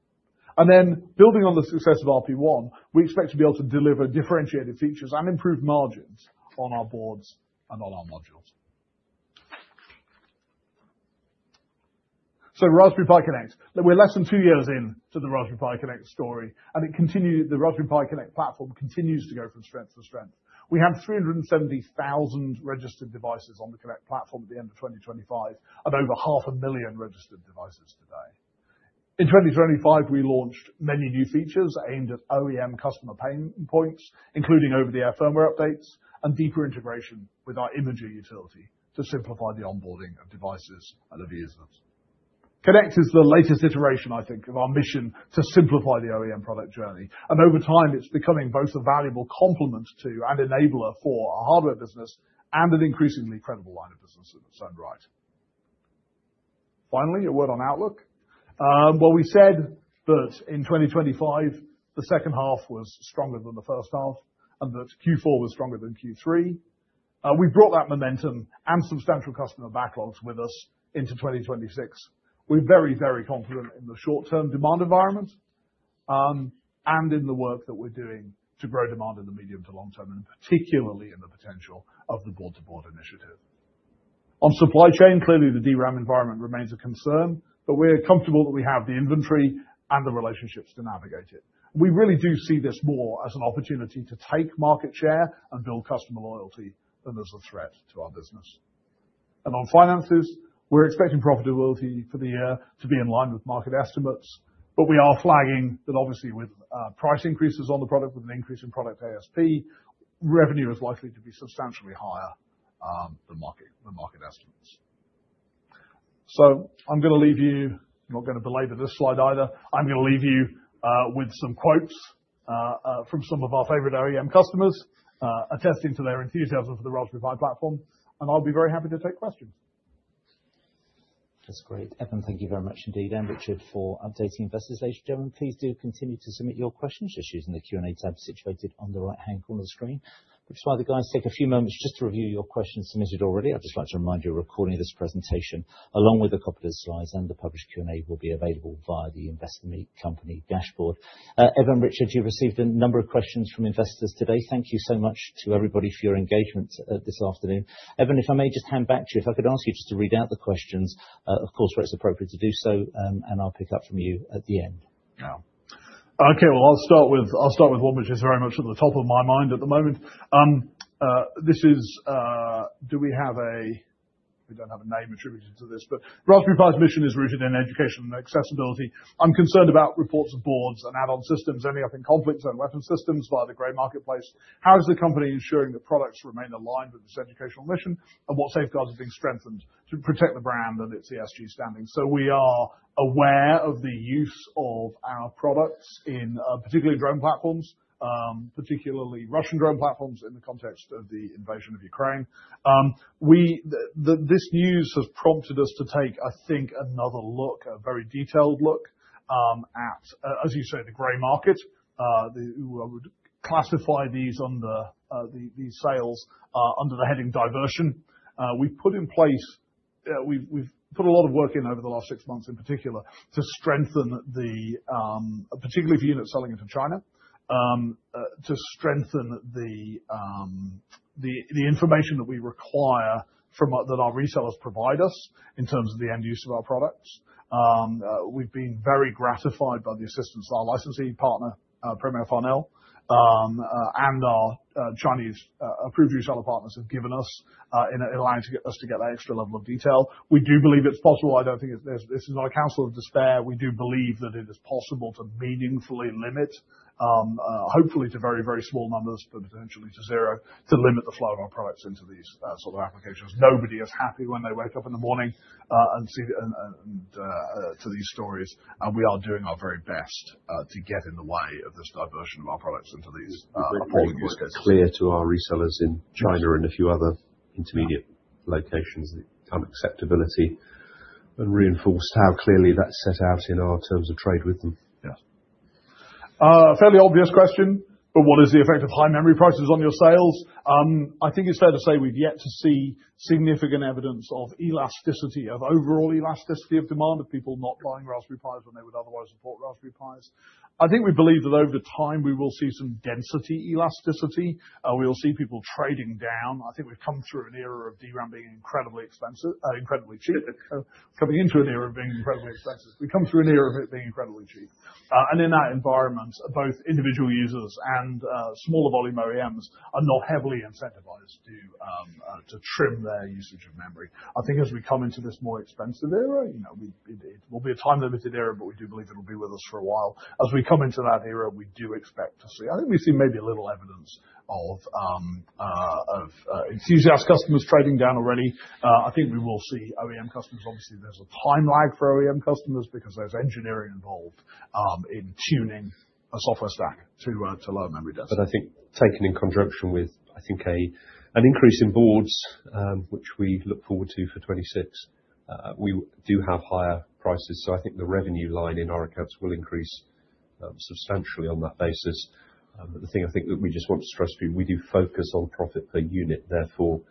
Building on the success of RP1, we expect to be able to deliver differentiated features and improved margins on our boards and on our modules. Raspberry Pi Connect. Look, we're less than two years in to the Raspberry Pi Connect story, and the Raspberry Pi Connect platform continues to go from strength to strength. We have 370,000 registered devices on the Connect platform at the end of 2025, and over 500,000 registered devices today. In 2025, we launched many new features aimed at OEM customer pain points, including over-the-air firmware updates and deeper integration with our imaging utility to simplify the onboarding of devices and the users. Connect is the latest iteration, I think, of our mission to simplify the OEM product journey, and over time it's becoming both a valuable complement to and enabler for our hardware business and an increasingly credible line of business in its own right. Finally, a word on outlook. Well, we said that in 2025, the second half was stronger than the first half, and that Q4 was stronger than Q3. We've brought that momentum and substantial customer backlogs with us into 2026. We're very, very confident in the short term demand environment, and in the work that we're doing to grow demand in the medium to long term, and particularly in the potential of the board-to-board initiative. On supply chain, clearly the DRAM environment remains a concern, but we're comfortable that we have the inventory and the relationships to navigate it. We really do see this more as an opportunity to take market share and build customer loyalty than as a threat to our business. On finances, we're expecting profitability for the year to be in line with market estimates, but we are flagging that obviously with price increases on the product, with an increase in product ASP, revenue is likely to be substantially higher than market estimates. I'm going to leave you, not going to belabor this slide either. I'm going to leave you with some quotes from some of our favorite OEM customers attesting to their enthusiasm for the Raspberry Pi platform, and I'll be very happy to take questions.
That's great. Eben, thank you very much indeed, and Richard, for updating investors today. Gentlemen, please do continue to submit your questions just using the Q&A tab situated on the right-hand corner of the screen. We'll just, while the guys take a few moments just to review your questions submitted already, I'd just like to remind you, a recording of this presentation, along with a copy of the slides and the published Q&A, will be available via the Investor Meet Company dashboard. Eben, Richard, you've received a number of questions from investors today. Thank you so much to everybody for your engagement this afternoon. Eben, if I may just hand back to you, if I could ask you just to read out the questions, of course, where it's appropriate to do so, and I'll pick up from you at the end.
Okay. Well, I'll start with one which is very much at the top of my mind at the moment. We don't have a name attributed to this, but Raspberry Pi's mission is rooted in education and accessibility. I'm concerned about reports of boards and add-on systems ending up in conflict zone weapon systems via the gray marketplace. How is the company ensuring the products remain aligned with this educational mission? And what safeguards are being strengthened to protect the brand and its ESG standing? We are aware of the use of our products in particularly drone platforms, particularly Russian drone platforms in the context of the invasion of Ukraine. This news has prompted us to take, I think, another look, a very detailed look, as you say, at the gray market, who would classify these sales under the heading diversion. We've put a lot of work in over the last six months, in particular, for units selling into China, to strengthen the information that we require that our resellers provide us in terms of the end use of our products. We've been very gratified by the assistance of our licensing partner, Premier Farnell, and our Chinese approved reseller partners have given us in allowing us to get that extra level of detail. We do believe it's possible. This is not a council of despair. We do believe that it is possible to meaningfully limit, hopefully to very, very small numbers, but potentially to zero, to limit the flow of our products into these sort of applications. Nobody is happy when they wake up in the morning to these stories. We are doing our very best to get in the way of this diversion of our products into these appalling use cases.
Made clear to our resellers in China and a few other intermediate locations the unacceptability, and reinforced how clearly that's set out in our terms of trade with them.
Yes. A fairly obvious question, but what is the effect of high memory prices on your sales? I think it's fair to say we've yet to see significant evidence of elasticity, of overall elasticity of demand of people not buying Raspberry Pis when they would otherwise support Raspberry Pis. I think we believe that over time we will see some density elasticity. We'll see people trading down. I think we've come through an era of DRAM being incredibly cheap, coming into an era of being incredibly expensive. In that environment, both individual users and smaller volume OEMs are not heavily incentivized to trim their usage of memory. I think as we come into this more expensive era, it will be a time-limited era, but we do believe it'll be with us for a while. As we come into that era, we do expect to see, I think we've seen maybe a little evidence of enthusiast customers trading down already. I think we will see OEM customers, obviously there's a time lag for OEM customers because there's engineering involved in tuning a software stack to low memory density.
I think taken in conjunction with, I think an increase in boards, which we look forward to for 2026, we do have higher prices. I think the revenue line in our accounts will increase substantially on that basis. The thing I think that we just want to stress to you, we do focus on profit per unit, therefore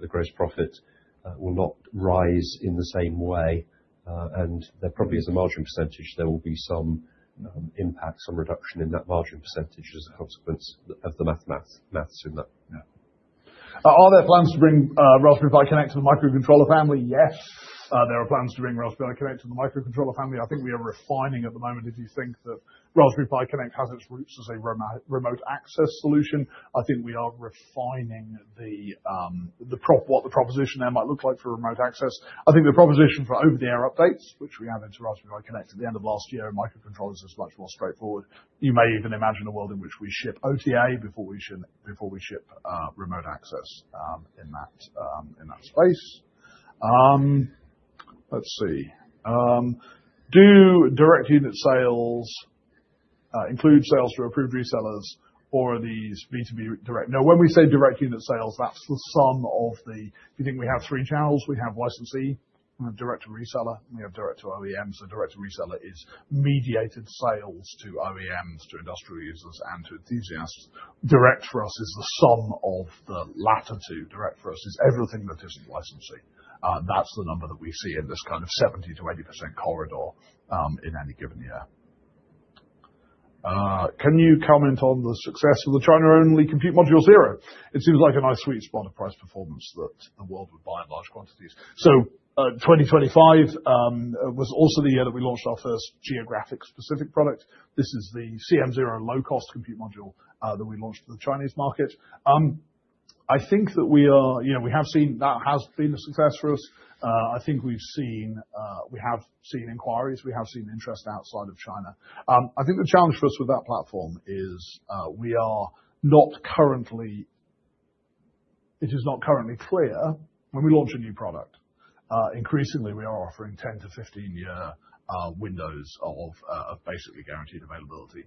the gross profit will not rise in the same way. There probably is a margin percentage, there will be some impact, some reduction in that margin percentage as a consequence of the math in that.
Are there plans to bring Raspberry Pi Connect to the microcontroller family? Yes, there are plans to bring Raspberry Pi Connect to the microcontroller family. I think we are refining at the moment. If you think that Raspberry Pi Connect has its roots as a remote access solution, I think we are refining what the proposition there might look like for remote access. I think the proposition for over-the-air updates, which we added to Raspberry Pi Connect at the end of last year in microcontrollers is much more straightforward. You may even imagine a world in which we ship OTA before we ship remote access in that space. Let's see. Do direct unit sales include sales to approved resellers or are these B2B direct? No, when we say direct unit sales, that's the sum of the, if you think we have three channels, we have licensee, we have direct to reseller, and we have direct to OEMs. Direct to reseller is mediated sales to OEMs, to industrial users, and to enthusiasts. Direct for us is the sum of the latter two. Direct for us is everything that isn't licensee. That's the number that we see in this kind of 70%-80% corridor in any given year. Can you comment on the success of the China-only Compute Module Zero? It seems like a nice sweet spot of price performance that the world would buy in large quantities. 2025 was also the year that we launched our first geographic specific product. This is the CM0 low-cost compute module that we launched for the Chinese market. That has been a success for us. I think we have seen inquiries. We have seen interest outside of China. I think the challenge for us with that platform is it is not currently clear when we launch a new product. Increasingly, we are offering 10-15-year windows of basically guaranteed availability.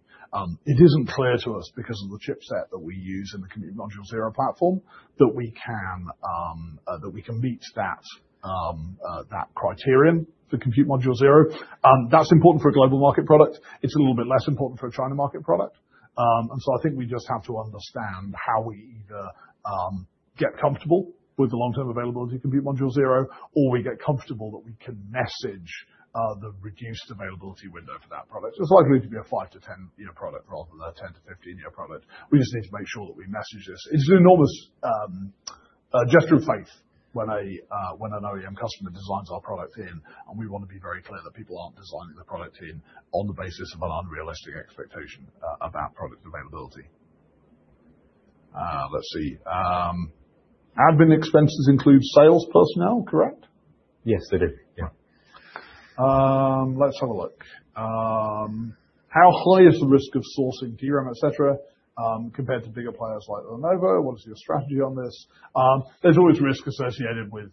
It isn't clear to us because of the chipset that we use in the Compute Module Zero platform that we can meet that criterion for Compute Module Zero. That's important for a global market product. It's a little bit less important for a China market product. I think we just have to understand how we either get comfortable with the long-term availability of Compute Module Zero, or we get comfortable that we can message the reduced availability window for that product. It's likely to be a 5-10 year product rather than a 10-15 year product. We just need to make sure that we message this. It's an enormous gesture of faith when an OEM customer designs our product in, and we want to be very clear that people aren't designing the product in on the basis of an unrealistic expectation about product availability. Let's see. Admin expenses include sales personnel, correct?
Yes, they do. Yeah.
Let's have a look. How high is the risk of sourcing DRAM, et cetera, compared to bigger players like Lenovo? What is your strategy on this? There's always risk associated with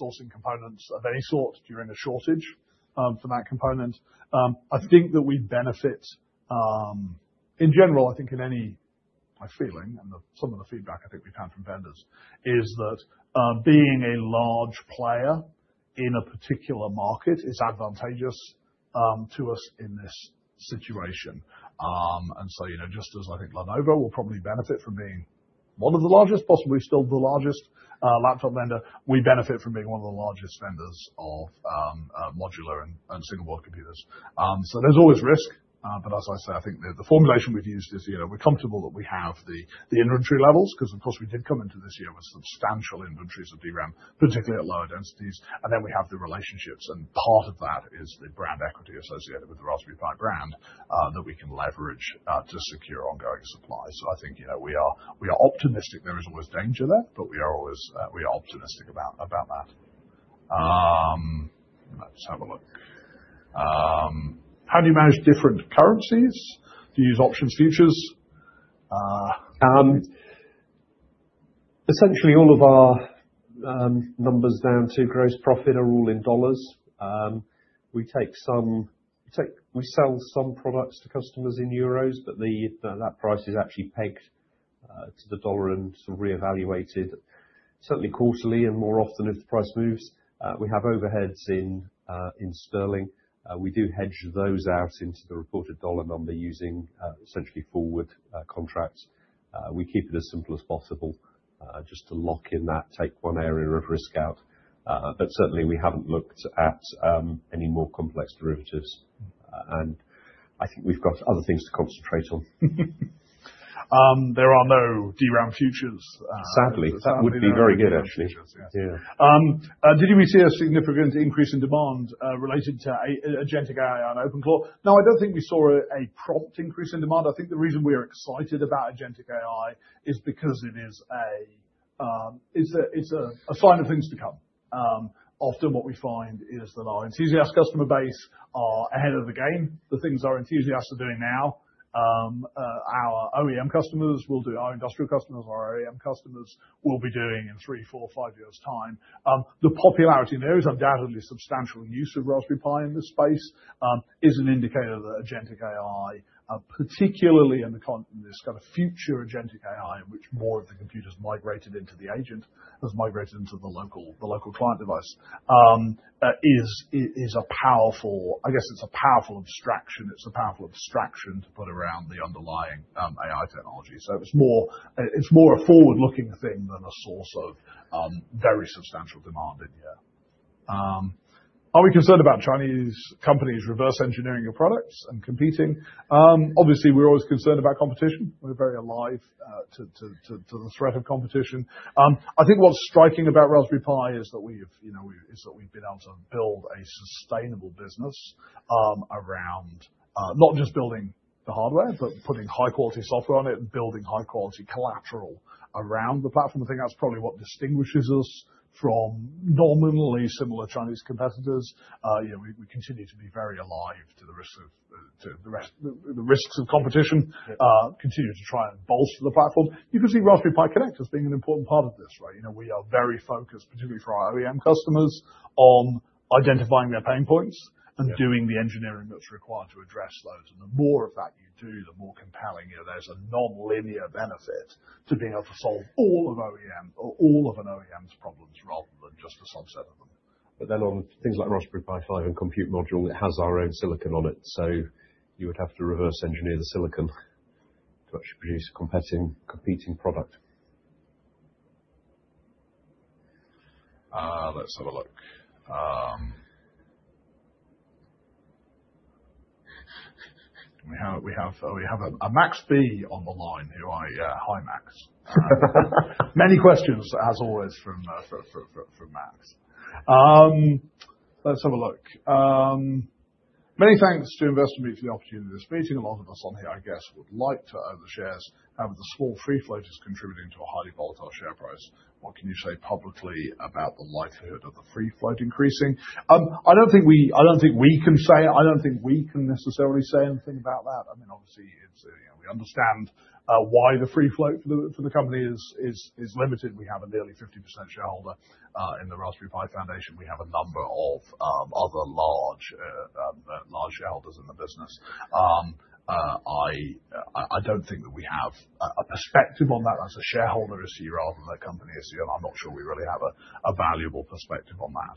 sourcing components of any sort during a shortage for that component. I think that we benefit in general. I think in any. My feeling and some of the feedback I think we've had from vendors is that being a large player in a particular market is advantageous to us in this situation. Just as I think Lenovo will probably benefit from being one of the largest, possibly still the largest laptop vendor. We benefit from being one of the largest vendors of modular and single-board computers. There's always risk. As I say, I think the formulation we've used is we're comfortable that we have the inventory levels, because of course, we did come into this year with substantial inventories of DRAM, particularly at lower densities. Then we have the relationships, and part of that is the brand equity associated with the Raspberry Pi brand that we can leverage to secure ongoing supplies. I think we are optimistic. There is always danger there, but we are optimistic about that. Let's have a look. How do you manage different currencies? Do you use options, futures? Essentially all of our numbers down to gross profit are all in dollars. We sell some products to customers in euros.
But that price is actually pegged to the dollar and reevaluated certainly quarterly and more often if the price moves. We have overheads in sterling. We do hedge those out into the reported dollar number using essentially forward contracts. We keep it as simple as possible just to lock in that take-one-area-of-risk-out. But certainly, we haven't looked at any more complex derivatives. I think we've got other things to concentrate on.
There are no DRAM futures.
Sadly, that would be very good actually.
Yes.
Yeah.
Did we see a significant increase in demand related to Agentic AI and OpenClaw? No, I don't think we saw a prompt increase in demand. I think the reason we're excited about Agentic AI is because it's a sign of things to come. Often what we find is that our enthusiast customer base are ahead of the game. The things our enthusiasts are doing now, our OEM customers will do, our industrial customers, our OEM customers will be doing in 3, 4, 5 years' time. The popularity, and there is undoubtedly substantial use of Raspberry Pi in this space, is an indicator that Agentic AI, particularly in this kind of future Agentic AI, in which more of the computer's migrated into the agent, has migrated into the local client device. I guess it's a powerful abstraction. It's a powerful abstraction to put around the underlying AI technology. It's more a forward-looking thing than a source of very substantial demand in here. Are we concerned about Chinese companies reverse engineering your products and competing? Obviously, we're always concerned about competition. We're very alive to the threat of competition. I think what's striking about Raspberry Pi is that we've been able to build a sustainable business around not just building the hardware, but putting high-quality software on it and building high-quality collateral around the platform. I think that's probably what distinguishes us from nominally similar Chinese competitors. We continue to be very alive to the risks of competition, continue to try and bolster the platform. You can see Raspberry Pi Connect as being an important part of this. We are very focused, particularly for our OEM customers, on identifying their pain points and doing the engineering that's required to address those. The more of that you do, the more compelling. There's a nonlinear benefit to being able to solve all of an OEM's problems rather than just a subset of them.
on things like Raspberry Pi 5 and Compute Module, it has our own silicon on it. You would have to reverse engineer the silicon to actually produce a competing product. Let's have a look.
We have Max B on the line. Hi, Max. Many questions as always from Max. Let's have a look. Many thanks to Investor Meet Company for the opportunity of this meeting. A lot of us on here, I guess, would like to own the shares. However, the small free float is contributing to a highly volatile share price. What can you say publicly about the likelihood of the free float increasing? I don't think we can necessarily say anything about that. Obviously, we understand why the free float for the company is limited. We have a nearly 50% shareholder in the Raspberry Pi Foundation. We have a number of other large shareholders in the business. I don't think that we have a perspective on that as a shareholder this year rather than a company this year. I'm not sure we really have a valuable perspective on that.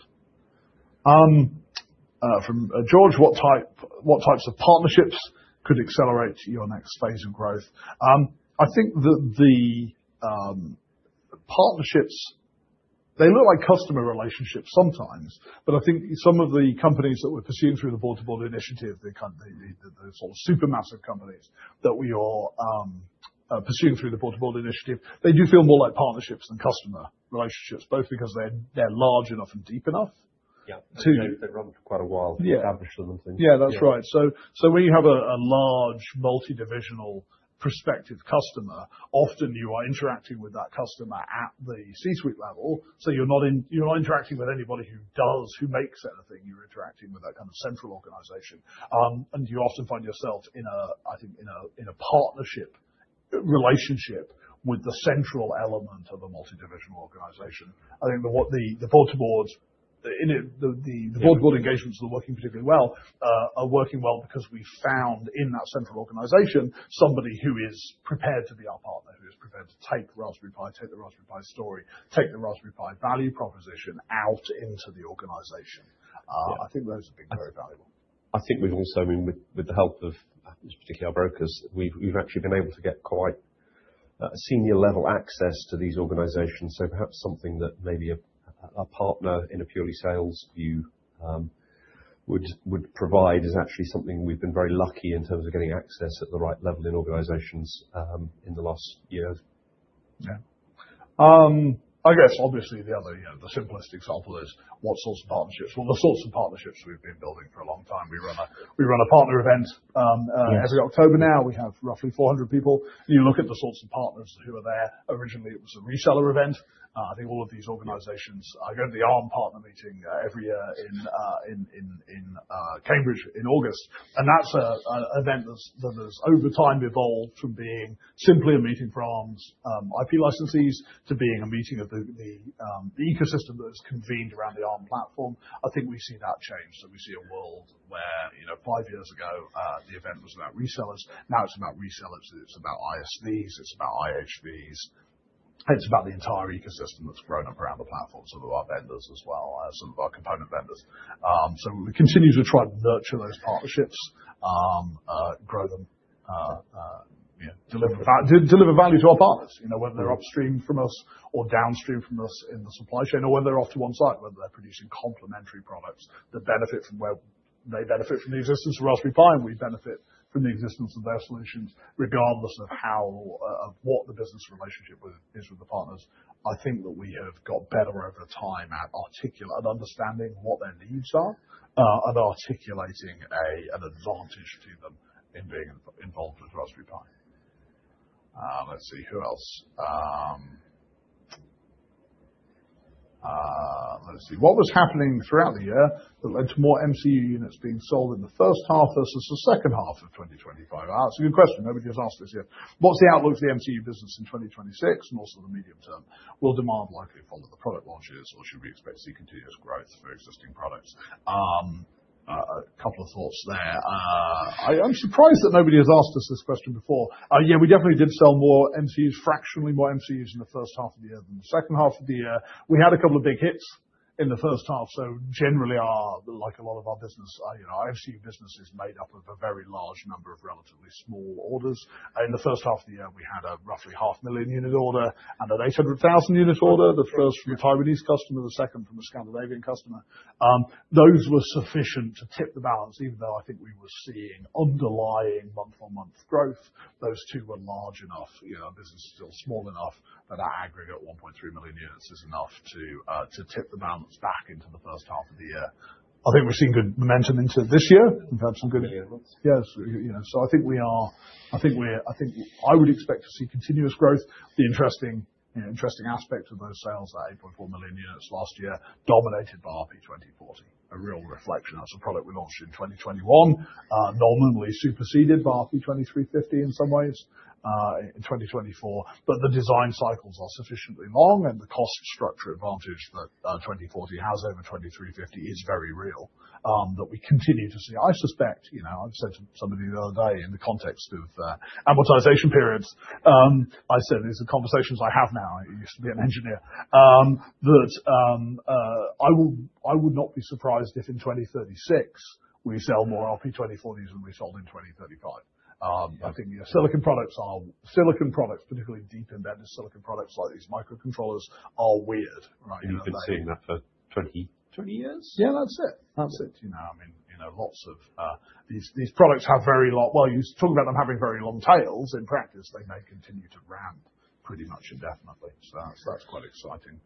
From George, what types of partnerships could accelerate your next phase of growth? I think that the partnerships, they look like customer relationships sometimes, but I think the sort of super massive companies that we are pursuing through the Board-to-Board initiative, they do feel more like partnerships than customer relationships, both because they're large enough and deep enough to.
Yeah. They run for quite a while.
Yeah.
They're established sort of things.
Yeah, that's right. When you have a large multidivisional prospective customer, often you are interacting with that customer at the C-suite level, so you're not interacting with anybody who makes anything. You're interacting with that kind of central organization. You often find yourself in a partnership relationship with the central element of a multidivisional organization. I think the Board-to-Board engagements that are working particularly well are working well because we found in that central organization somebody who is prepared to be our partner, who is prepared to take Raspberry Pi, take the Raspberry Pi story, take the Raspberry Pi value proposition out into the organization.
Yeah.
I think those have been very valuable.
I think we've also, with the help of particularly our brokers, we've actually been able to get quite senior level access to these organizations, so perhaps something that maybe a partner in a purely sales view would provide is actually something we've been very lucky in terms of getting access at the right level in organizations in the last years.
Yeah. I guess obviously the other, the simplest example is what sorts of partnerships? Well, the sorts of partnerships we've been building for a long time. We run a partner event.
Yes
Every October now, we have roughly 400 people. If you look at the sorts of partners who are there, originally it was a reseller event. I think all of these organizations go to the Arm partner meeting every year in Cambridge in August, and that's an event that has over time evolved from being simply a meeting for Arm's IP licensees to being a meeting of the ecosystem that has convened around the Arm platform. I think we've seen that change. We see a world where five years ago, the event was about resellers, now it's about resellers, it's about ISVs, it's about IHVs. It's about the entire ecosystem that's grown up around the platform, so there are vendors as well, some of our component vendors. We continue to try to nurture those partnerships, grow them, deliver value to our partners, whether they're upstream from us or downstream from us in the supply chain or whether they're off to one side, whether they're producing complementary products that benefit from where they benefit from the existence of Raspberry Pi, and we benefit from the existence of their solutions regardless of what the business relationship is with the partners. I think that we have got better over time at understanding what their needs are, and articulating an advantage to them in being involved with Raspberry Pi. Let's see, who else. Let's see. What was happening throughout the year that led to more MCU units being sold in the first half versus the second half of 2025? It's a good question. Nobody has asked this yet. What's the outlook for the MCU business in 2026 and also the medium term? Will demand likely follow the product launches or should we expect to see continuous growth for existing products? A couple of thoughts there. I'm surprised that nobody has asked us this question before. Yeah, we definitely did sell more MCUs, fractionally more MCUs in the first half of the year than the second half of the year. We had a couple of big hits in the first half, so generally, like a lot of our business, our MCU business is made up of a very large number of relatively small orders. In the first half of the year, we had a roughly 500,000-unit order and an 800,000-unit order, the first from a Taiwanese customer, the second from a Scandinavian customer. Those were sufficient to tip the balance, even though I think we were seeing underlying month-on-month growth. Those two were large enough, our business is still small enough that our aggregate 1.3 million units is enough to tip the balance back into the first half of the year. I think we're seeing good momentum into this year. We've had some good.
Year looks.
Yes. I would expect to see continuous growth. The interesting aspect of those sales, 8.4 million units last year, dominated by RP2040, a real reflection. That's a product we launched in 2021, nominally superseded by RP2350 in some ways, in 2024. The design cycles are sufficiently long and the cost structure advantage that 2040 has over 2350 is very real, that we continue to see. I suspect, I said to somebody the other day in the context of amortization periods, I said, these are conversations I have now, I used to be an engineer, that I would not be surprised if in 2036 we sell more RP2040s than we sold in 2035. I think silicon products, particularly deep embedded silicon products like these microcontrollers are weird, right?
You've been saying that for 20 years.
20 years. Yeah, that's it. These products have very long. Well, you talk about them having very long tails. In practice, they may continue to ramp pretty much indefinitely, so that's quite exciting.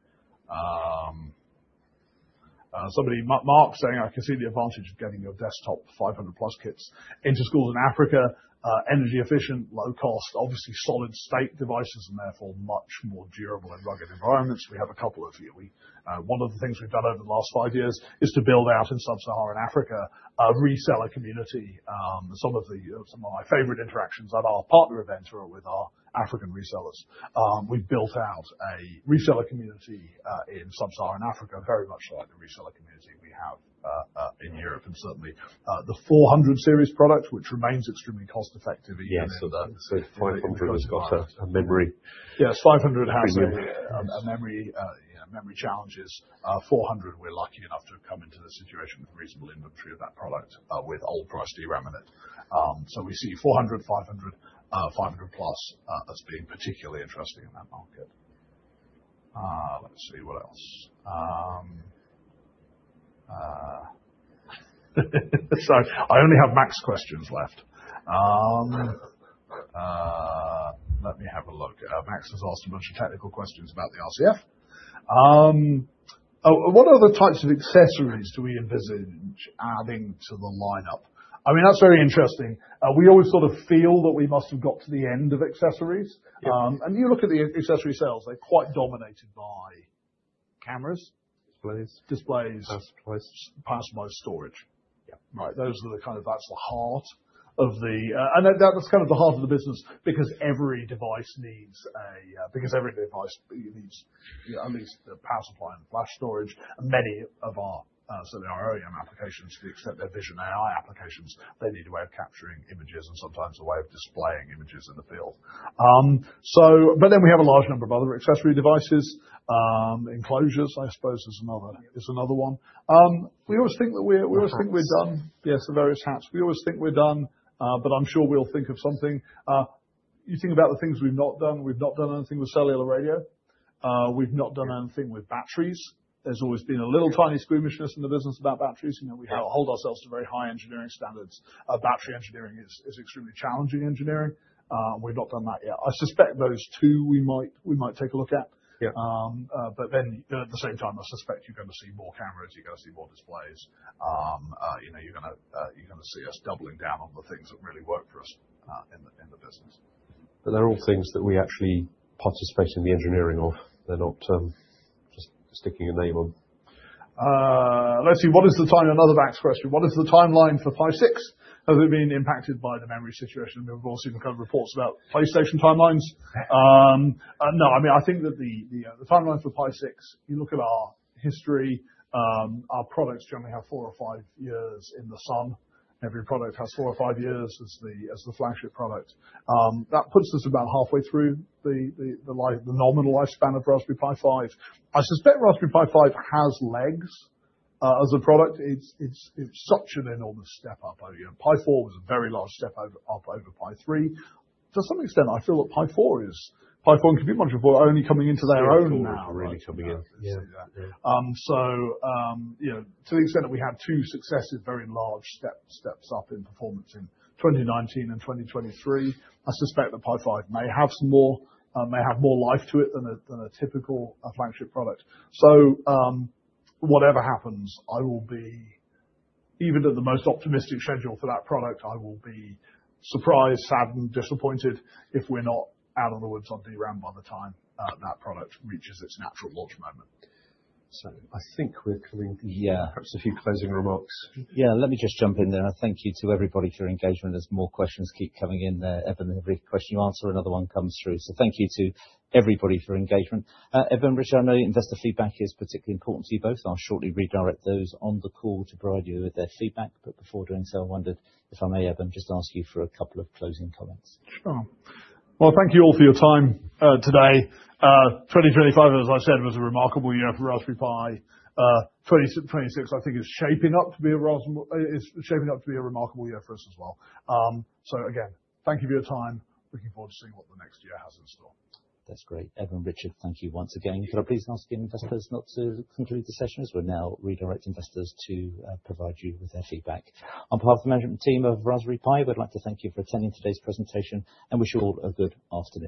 Mark's saying, "I can see the advantage of getting your Desktop 500+ kits into schools in Africa. Energy efficient, low cost, obviously solid state devices, and therefore much more durable in rugged environments." We have a couple of you. One of the things we've done over the last five years is to build out in sub-Saharan Africa, a reseller community. Some of my favorite interactions at our partner events are with our African resellers. We've built out a reseller community in sub-Saharan Africa, very much like the reseller community we have up in Europe. Certainly, the 400 series product, which remains extremely cost-effective even in-
Yes. 500 has got a memory.
Yes, 500 has memory challenges. 400, we're lucky enough to have come into the situation with reasonable inventory of that product, with old price DRAM in it. We see 400, 500 plus as being particularly interesting in that market. Let's see, what else? Sorry, I only have Max questions left. Let me have a look. Max has asked a bunch of technical questions about the RCF. What other types of accessories do we envisage adding to the lineup? That's very interesting. We always sort of feel that we must have got to the end of accessories.
Yeah.
You look at the accessory sales, they're quite dominated by cameras.
Displays.
Displays.
Personalized storage.
Personalized storage.
Yeah.
Right. That's the heart of the business because every device needs at least a power supply and flash storage. Many of our OEM applications, except their vision AI applications, they need a way of capturing images and sometimes a way of displaying images in the field. We have a large number of other accessory devices. Enclosures, I suppose, is another one. We always think we're done. Yes, the various HATs. We always think we're done, but I'm sure we'll think of something. You think about the things we've not done, we've not done anything with cellular radio. We've not done anything with batteries. There's always been a little tiny squeamishness in the business about batteries. We hold ourselves to very high engineering standards. Battery engineering is extremely challenging engineering. We've not done that yet. I suspect those two we might take a look at.
Yeah.
At the same time, I suspect you're going to see more cameras, you're going to see more displays. You're going to see us doubling down on the things that really work for us in the business.
They're all things that we actually participate in the engineering of. They're not just sticking a name on.
Let's see. Another Matt's question. What is the timeline for Pi 6? Has it been impacted by the memory situation? We've obviously been covering reports about PlayStation timelines. No, I think that the timeline for Pi 6, you look at our history, our products generally have four or five years in the sun. Every product has four or five years as the flagship product. That puts us about halfway through the nominal lifespan of Raspberry Pi 5. I suspect Raspberry Pi 5 has legs as a product. It's such an enormous step up. Pi 4 was a very large step up over Pi 3. To some extent, I feel that Pi 4 and Compute Module 4 are only coming into their own now.
Still cool really coming in. Yeah.
To the extent that we had two successive, very large steps up in performance in 2019 and 2023, I suspect that Pi 5 may have more life to it than a typical flagship product. Whatever happens, even at the most optimistic schedule for that product, I will be surprised, saddened, disappointed if we're not out in the woods on DRAM by the time that product reaches its natural launch moment.
I think we're coming to the end.
Yeah.
Perhaps a few closing remarks.
Yeah. Let me just jump in there. Thank you to everybody for your engagement. There's more questions keep coming in there, Eben. Every question you answer, another one comes through. Thank you to everybody for engagement. Eben, Richard, I know investor feedback is particularly important to you both. I'll shortly redirect those on the call to provide you with their feedback. Before doing so, I wondered if I may, Eben, just ask you for a couple of closing comments.
Sure. Well, thank you all for your time today. 2025, as I said, was a remarkable year for Raspberry Pi. 2026 I think is shaping up to be a remarkable year for us as well. Again, thank you for your time. Looking forward to seeing what the next year has in store.
That's great. Eben, Richard, thank you once again. Could I please ask investors now to conclude the session, as we'll now redirect investors to provide you with their feedback. On behalf of the management team of Raspberry Pi, we'd like to thank you for attending today's presentation and wish you all a good afternoon.